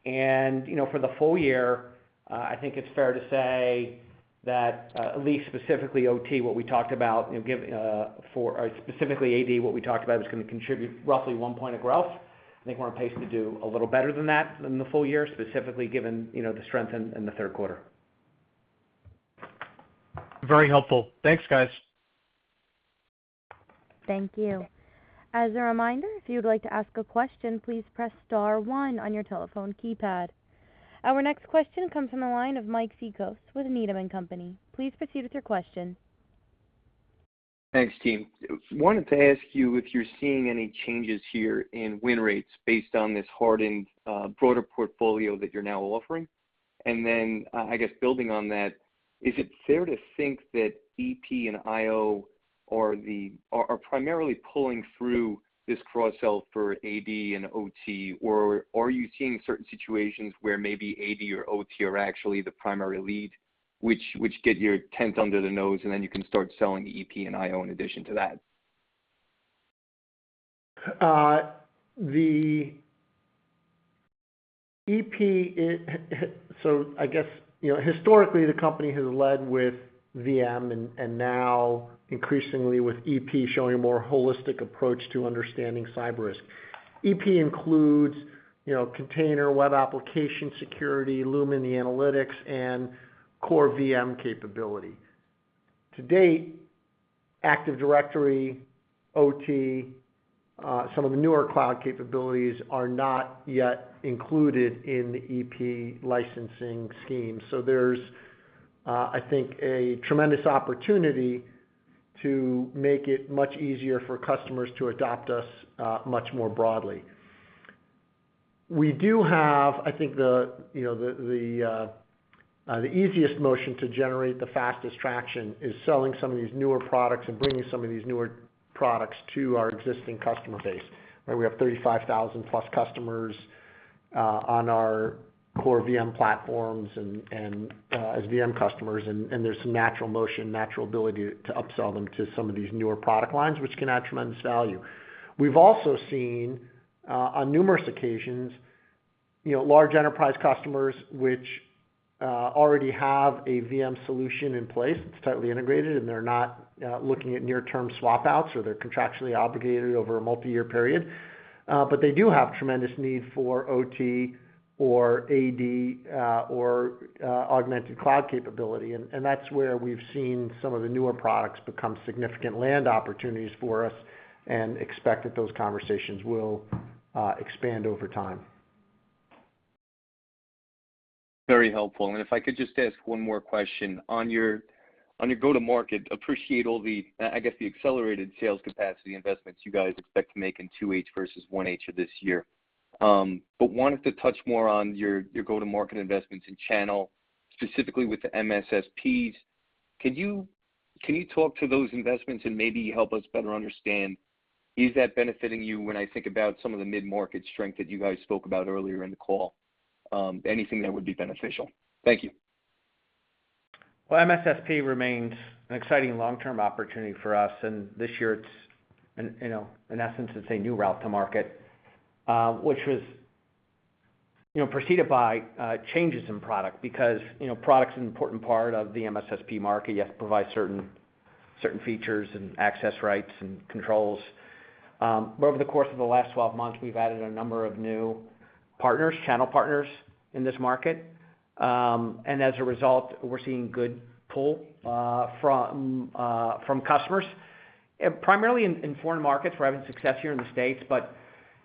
You know, for the full year, I think it's fair to say that, at least specifically OT, what we talked about, specifically AD, what we talked about is gonna contribute roughly one point of growth. I think we're on pace to do a little better than that in the full year, specifically given, you know, the strength in the third quarter. Very helpful. Thanks, guys. Thank you. As a reminder, if you would like to ask a question, please press star one on your telephone keypad. Our next question comes from the line of Mike Cikos with Needham & Company. Please proceed with your question. Thanks, team. Wanted to ask you if you're seeing any changes here in win rates based on this hardened, broader portfolio that you're now offering. I guess building on that, is it fair to think that EP and IO are primarily pulling through this cross sell for AD and OT? Or are you seeing certain situations where maybe AD or OT are actually the primary lead, which gets your foot in the door, and then you can start selling EP and IO in addition to that? I guess, you know, historically, the company has led with VM and now increasingly with EP showing a more holistic approach to understanding cyber risk. EP includes, you know, container, web application security, Lumin, the analytics, and core VM capability. To date, Active Directory, OT, some of the newer cloud capabilities are not yet included in the EP licensing scheme. There's, I think, a tremendous opportunity to make it much easier for customers to adopt us, much more broadly. We do have. I think you know the easiest motion to generate the fastest traction is selling some of these newer products and bringing some of these newer products to our existing customer base, where we have 35,000+ customers on our core VM platforms and as VM customers, and there's some natural motion, natural ability to upsell them to some of these newer product lines, which can add tremendous value. We've also seen on numerous occasions you know large enterprise customers which already have a VM solution in place that's tightly integrated, and they're not looking at near-term swap outs, or they're contractually obligated over a multi-year period, but they do have tremendous need for OT or AD or augmented cloud capability. That's where we've seen some of the newer products become significant land-and-expand opportunities for us and expect that those conversations will expand over time. Very helpful. If I could just ask one more question. On your go-to-market, appreciate all the, I guess, the accelerated sales capacity investments you guys expect to make in 2H versus 1H of this year. But wanted to touch more on your go-to-market investments in channel, specifically with the MSSPs. Can you talk to those investments and maybe help us better understand, is that benefiting you when I think about some of the mid-market strength that you guys spoke about earlier in the call? Anything that would be beneficial. Thank you. Well, MSSP remains an exciting long-term opportunity for us, and this year it's, you know, in essence, it's a new route to market, which was, you know, preceded by changes in product because, you know, product's an important part of the MSSP market. You have to provide certain features and access rights and controls. But over the course of the last 12 months, we've added a number of new partners, channel partners in this market. And as a result, we're seeing good pull from customers, primarily in foreign markets. We're having success here in the States, but in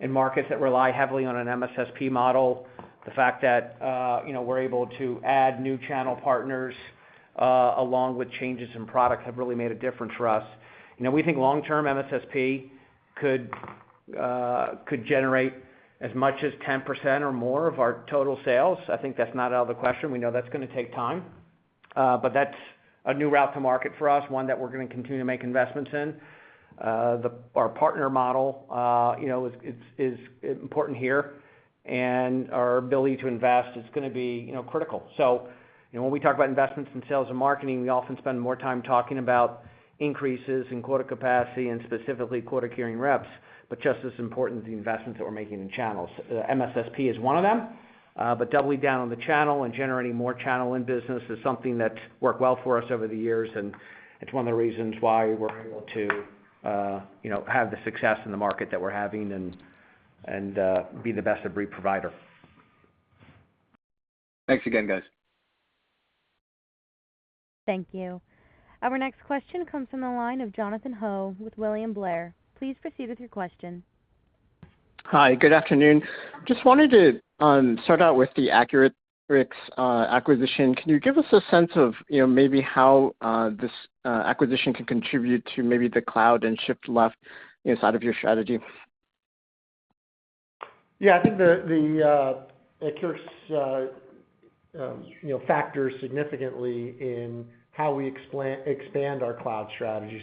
markets that rely heavily on an MSSP model, the fact that, you know, we're able to add new channel partners along with changes in product have really made a difference for us. You know, we think long-term MSSP could generate as much as 10% or more of our total sales. I think that's not out of the question. We know that's gonna take time. That's a new route to market for us, one that we're gonna continue to make investments in. Our partner model, you know, is important here, and our ability to invest is gonna be, you know, critical. You know, when we talk about investments in sales and marketing, we often spend more time talking about increases in quota capacity and specifically quota-carrying reps, but just as important, the investments that we're making in channels. MSSP is one of them. Doubling down on the channel and generating more channel in business is something that's worked well for us over the years, and it's one of the reasons why we're able to, you know, have the success in the market that we're having and be the best ever provider. Thanks again, guys. Thank you. Our next question comes from the line of Jonathan Ho with William Blair. Please proceed with your question. Hi, good afternoon. Just wanted to start out with the Accurics acquisition. Can you give us a sense of, you know, maybe how this acquisition can contribute to maybe the cloud and shift left inside of your strategy? Yeah, I think Accurics, you know, factors significantly in how we expand our cloud strategy.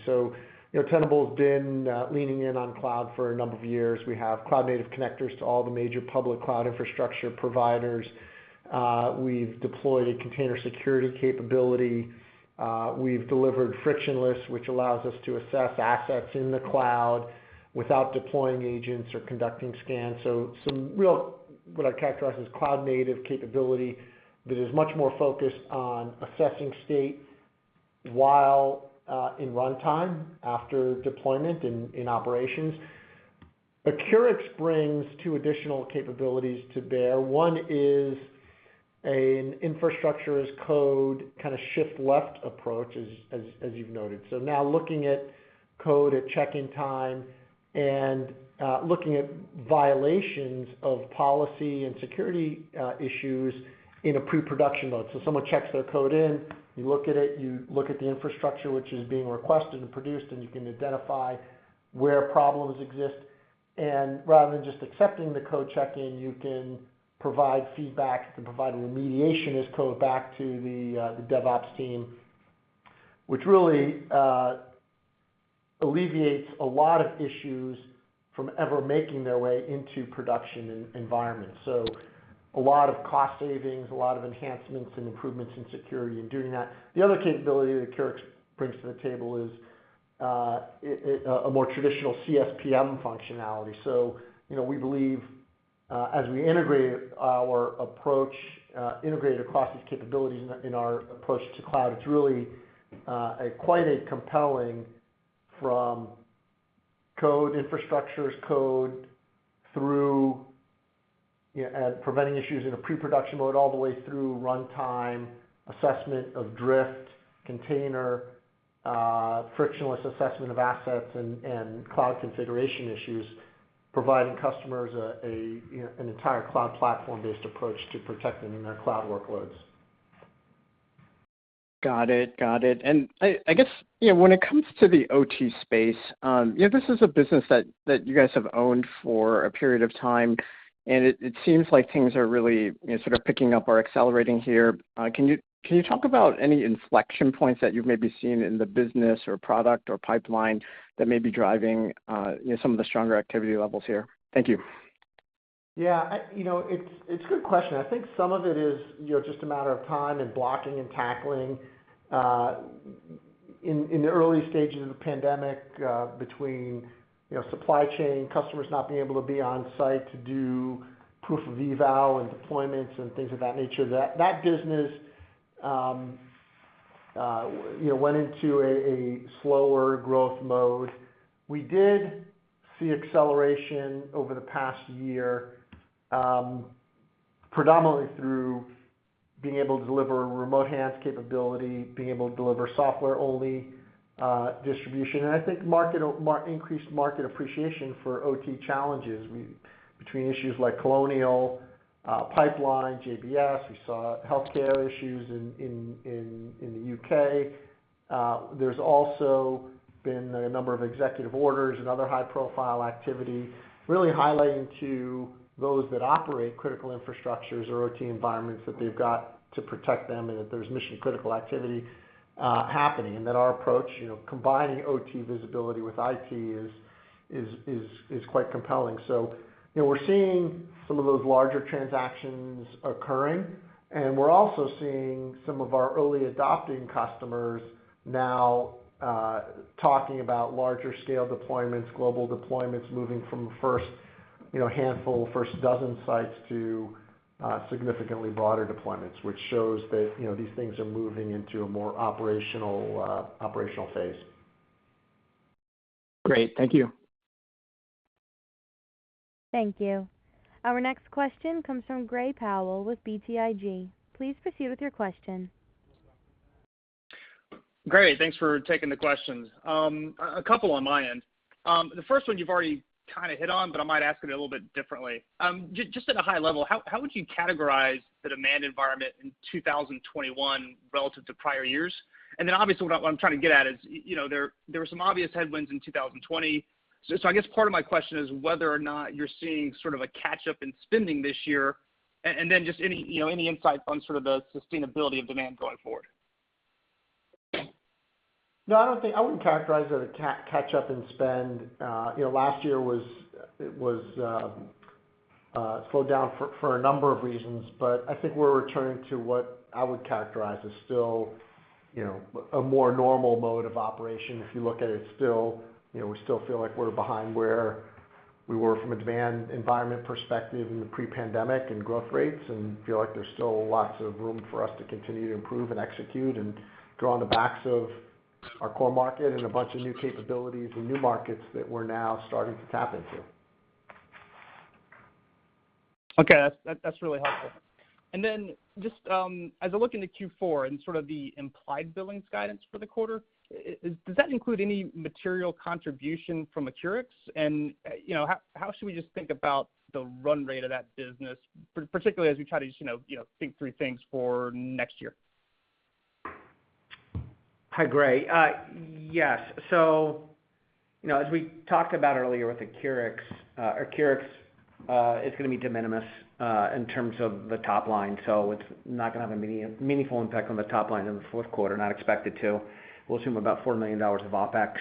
You know, Tenable's been leaning in on cloud for a number of years. We have cloud-native connectors to all the major public cloud infrastructure providers. We've deployed a Container Security capability. We've delivered Frictionless, which allows us to assess assets in the cloud without deploying agents or conducting scans. Some real, what I'd characterize as cloud-native capability that is much more focused on assessing state while in runtime after deployment in operations. Accurics brings two additional capabilities to bear. One is an infrastructure-as-code kind of shift left approach, as you've noted. Now looking at code at check-in time and looking at violations of policy and security issues in a pre-production mode. Someone checks their code in, you look at it, you look at the infrastructure which is being requested and produced, and you can identify where problems exist. Rather than just accepting the code check-in, you can provide feedback. You can provide a remediation as code back to the DevOps team, which really alleviates a lot of issues from ever making their way into production environment. A lot of cost savings, a lot of enhancements and improvements in security in doing that. The other capability that Accurics brings to the table is a more traditional CSPM functionality. You know, we believe as we integrate our approach integrated across these capabilities in our approach to cloud, it's really quite a compelling from infrastructure as code through, you know, preventing issues in a pre-production mode all the way through runtime, assessment of drift, Container frictionless Assessment of assets and cloud configuration issues, providing customers a you know, an entire cloud platform-based approach to protecting their cloud workloads. Got it. I guess, you know, when it comes to the OT space, you know, this is a business that you guys have owned for a period of time, and it seems like things are really, you know, sort of picking up or accelerating here. Can you talk about any inflection points that you've maybe seen in the business or product or pipeline that may be driving, you know, some of the stronger activity levels here? Thank you. Yeah. You know, it's a good question. I think some of it is, you know, just a matter of time and blocking and tackling in the early stages of the pandemic between supply chain, customers not being able to be on site to do proof of value and deployments and things of that nature. That business, you know, went into a slower growth mode. We did see acceleration over the past year predominantly through being able to deliver remote hands capability, being able to deliver software-only distribution. I think increased market appreciation for OT challenges between issues like Colonial Pipeline, JBS. We saw healthcare issues in the U.K. There's also been a number of executive orders and other high-profile activity really highlighting to those that operate critical infrastructures or OT environments that they've got to protect them and that there's mission-critical activity happening. That our approach, you know, combining OT visibility with IT is quite compelling. You know, we're seeing some of those larger transactions occurring, and we're also seeing some of our early adopting customers now talking about larger scale deployments, global deployments, moving from the first, you know, handful, first dozen sites to significantly broader deployments, which shows that, you know, these things are moving into a more operational phase. Great. Thank you. Thank you. Our next question comes from Gray Powell with BTIG. Please proceed with your question. Gray, thanks for taking the questions. A couple on my end. The first one you've already kind of hit on, but I might ask it a little bit differently. Just at a high level, how would you categorize the demand environment in 2021 relative to prior years? And then obviously what I'm trying to get at is, you know, there were some obvious headwinds in 2020. I guess part of my question is whether or not you're seeing sort of a catch-up in spending this year, and then just any you know, any insight on sort of the sustainability of demand going forward? No, I don't think I wouldn't characterize it as a catch up in spend. You know, last year was slowed down for a number of reasons. I think we're returning to what I would characterize as still, you know, a more normal mode of operation. If you look at it still, you know, we still feel like we're behind where we were from a demand environment perspective in the pre-pandemic and growth rates, and feel like there's still lots of room for us to continue to improve and execute and draw on the back of our core market and a bunch of new capabilities and new markets that we're now starting to tap into. Okay. That's really helpful. Just as I look into Q4 and sort of the implied billings guidance for the quarter, does that include any material contribution from Accurics? You know, how should we think about the run rate of that business, particularly as we try to think through things for next year? Hi, Gray. Yes. So, you know, as we talked about earlier with Accurics is gonna be de minimis in terms of the top line, so it's not gonna have a meaningful impact on the top line in the fourth quarter, not expected to. We'll assume about $4 million of OpEx.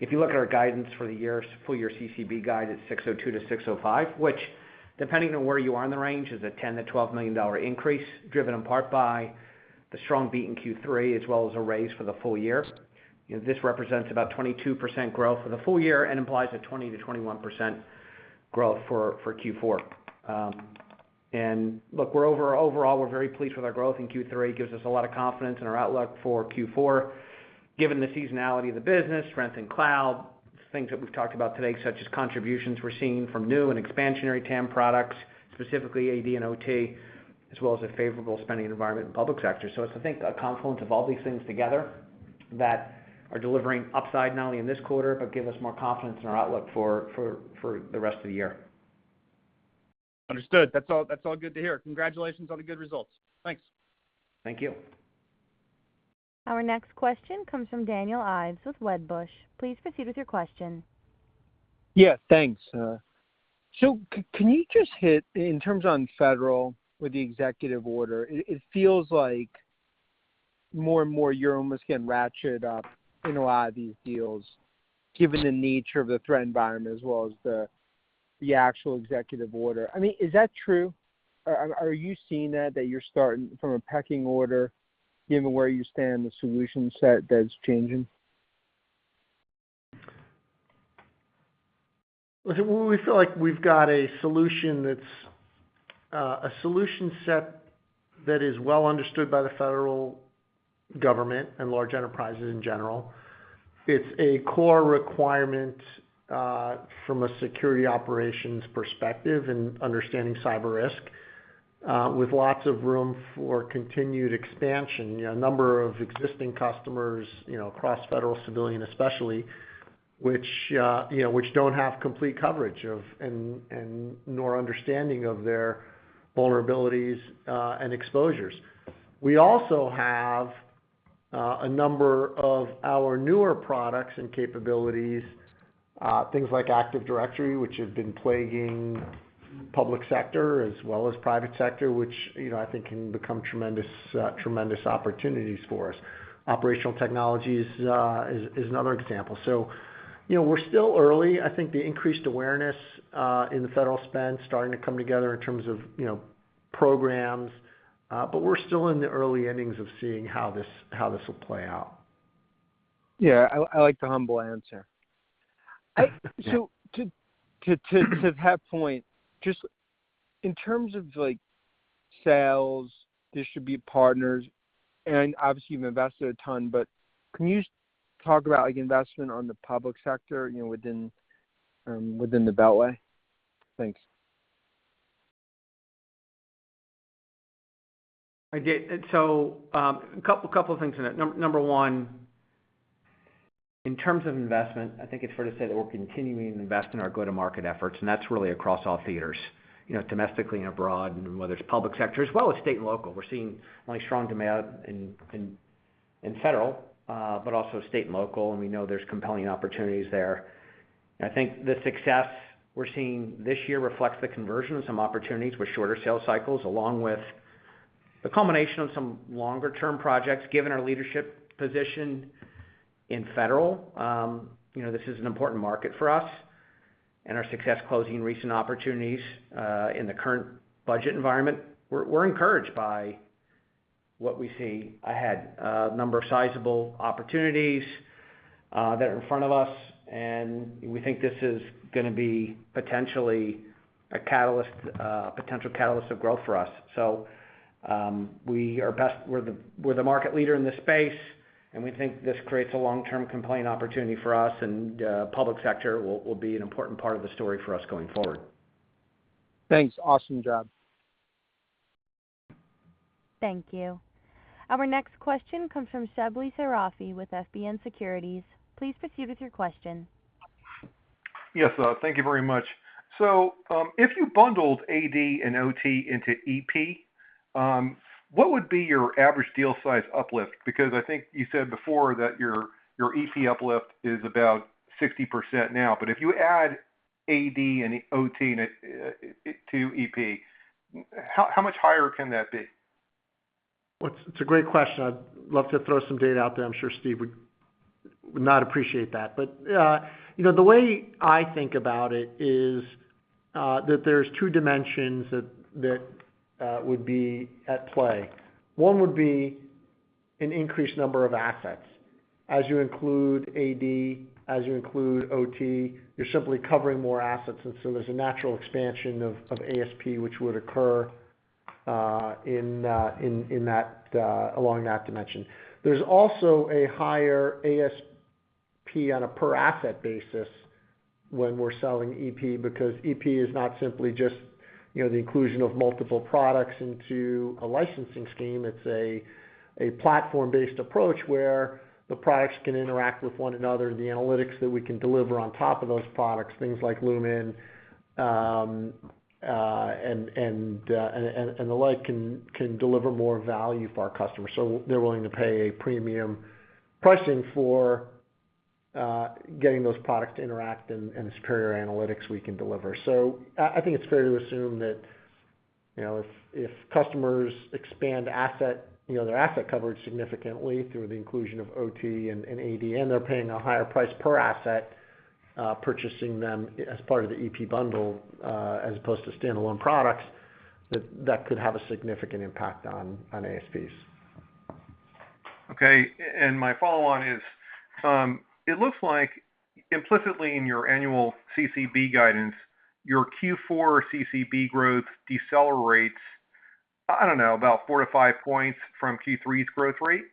If you look at our guidance for the year, full year CCB guide is $602 million-$605 million, which depending on where you are in the range, is a $10 million-$12 million increase, driven in part by the strong beat in Q3 as well as a raise for the full year. You know, this represents about 22% growth for the full year and implies a 20%-21% growth for Q4. And look, we're overall very pleased with our growth in Q3. It gives us a lot of confidence in our outlook for Q4, given the seasonality of the business, strength in cloud, things that we've talked about today, such as contributions we're seeing from new and expansionary TAM products, specifically AD and OT, as well as a favorable spending environment in public sector. It's, I think, a confluence of all these things together that are delivering upside not only in this quarter, but give us more confidence in our outlook for the rest of the year. Understood. That's all, that's all good to hear. Congratulations on the good results. Thanks. Thank you. Our next question comes from Daniel Ives with Wedbush Securities. Please proceed with your question. Thanks. Can you just hit on in terms of federal with the executive order? It feels like more and more you're almost getting ratcheted up in a lot of these deals given the nature of the threat environment as well as the actual executive order. I mean, is that true? Are you seeing that you're starting from a pecking order given where you stand, the solution set that's changing? Listen, we feel like we've got a solution that's a solution set that is well understood by the federal government and large enterprises in general. It's a core requirement from a security operations perspective in understanding cyber risk with lots of room for continued expansion. You know, a number of existing customers, you know, across federal civilian especially, which, you know, which don't have complete coverage of and nor understanding of their vulnerabilities and exposures. We also have a number of our newer products and capabilities, things like Active Directory, which have been plaguing public sector as well as private sector, which, you know, I think can become tremendous opportunities for us. Operational technologies is another example. You know, we're still early. I think the increased awareness in the federal spend starting to come together in terms of, you know, programs, but we're still in the early innings of seeing how this will play out. Yeah. I like the humble answer. Yeah. To that point, just in terms of like sales, distribution partners, and obviously you've invested a ton, but can you talk about like investment in the public sector, you know, within the Beltway? Thanks. I did. A couple of things in it. Number one, in terms of investment, I think it's fair to say that we're continuing to invest in our go-to-market efforts, and that's really across all theaters, you know, domestically and abroad, and whether it's public sector as well as state and local. We're seeing only strong demand in federal, but also state and local, and we know there's compelling opportunities there. I think the success we're seeing this year reflects the conversion of some opportunities with shorter sales cycles, along with the culmination of some longer-term projects given our leadership position in federal. You know, this is an important market for us and our success closing recent opportunities in the current budget environment. We're encouraged by what we see ahead. A number of sizable opportunities that are in front of us, and we think this is gonna be potentially a catalyst, a potential catalyst of growth for us. We're the market leader in this space, and we think this creates a long-term compliance opportunity for us, and public sector will be an important part of the story for us going forward. Thanks. Awesome job. Thank you. Our next question comes from Shebly Seyrafi with FBN Securities. Please proceed with your question. Yes, thank you very much. If you bundled AD and OT into EP, what would be your average deal size uplift? Because I think you said before that your EP uplift is about 60% now, but if you add AD and OT in it to EP, how much higher can that be? Well, it's a great question. I'd love to throw some data out there. I'm sure Steve would not appreciate that. You know, the way I think about it is that there's two dimensions that would be at play. One would be an increased number of assets. As you include AD, as you include OT, you're simply covering more assets. There's a natural expansion of ASP which would occur along that dimension. There's also a higher ASP on a per asset basis when we're selling EP, because EP is not simply just, you know, the inclusion of multiple products into a licensing scheme. It's a platform-based approach where the products can interact with one another, the analytics that we can deliver on top of those products, things like Lumin and the like, can deliver more value for our customers. They're willing to pay a premium pricing for getting those products to interact and the superior analytics we can deliver. I think it's fair to assume that, you know, if customers expand their asset coverage significantly through the inclusion of OT and AD, and they're paying a higher price per asset, purchasing them as part of the EP bundle, as opposed to standalone products, that could have a significant impact on ASPs. Okay. My follow on is, it looks like implicitly in your annual CCB guidance, your Q4 CCB growth decelerates, I don't know, about 4%-5% from Q3's growth rate.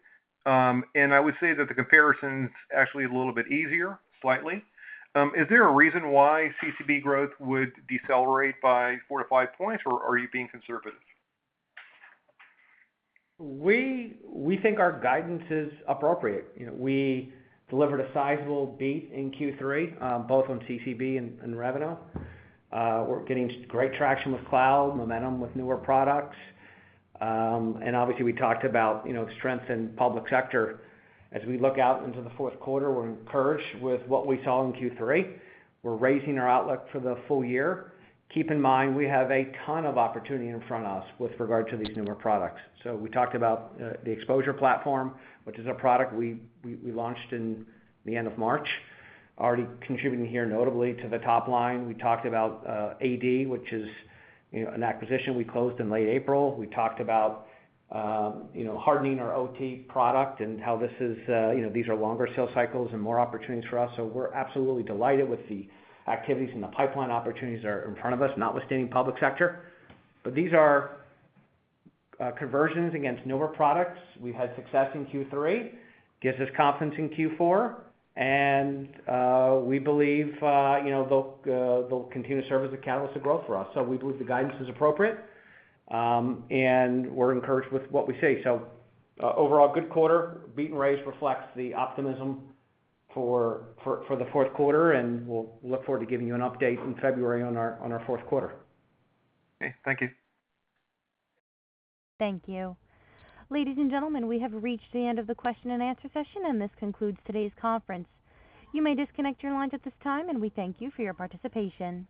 I would say that the comparison's actually a little bit easier, slightly. Is there a reason why CCB growth would decelerate by 4%-5%, or are you being conservative? We think our guidance is appropriate. You know, we delivered a sizable beat in Q3 both on CCB and revenue. We're getting great traction with cloud, momentum with newer products. And obviously we talked about, you know, strength in public sector. As we look out into the fourth quarter, we're encouraged with what we saw in Q3. We're raising our outlook for the full year. Keep in mind we have a ton of opportunity in front of us with regard to these newer products. We talked about the Exposure Platform, which is a product we launched in the end of March, already contributing here notably to the top line. We talked about AD, which is, you know, an acquisition we closed in late April. We talked about you know hardening our OT product and how this is you know these are longer sales cycles and more opportunities for us. We're absolutely delighted with the activities and the pipeline opportunities are in front of us, notwithstanding public sector. These are conversions against newer products. We've had success in Q3, gives us confidence in Q4, and we believe you know they'll continue to serve as a catalyst to growth for us. We believe the guidance is appropriate, and we're encouraged with what we see. Overall good quarter, beat and raise reflects the optimism for the fourth quarter, and we'll look forward to giving you an update in February on our fourth quarter. Okay. Thank you. Thank you. Ladies and gentlemen, we have reached the end of the question-and-answer session, and this concludes today's conference. You may disconnect your lines at this time, and we thank you for your participation.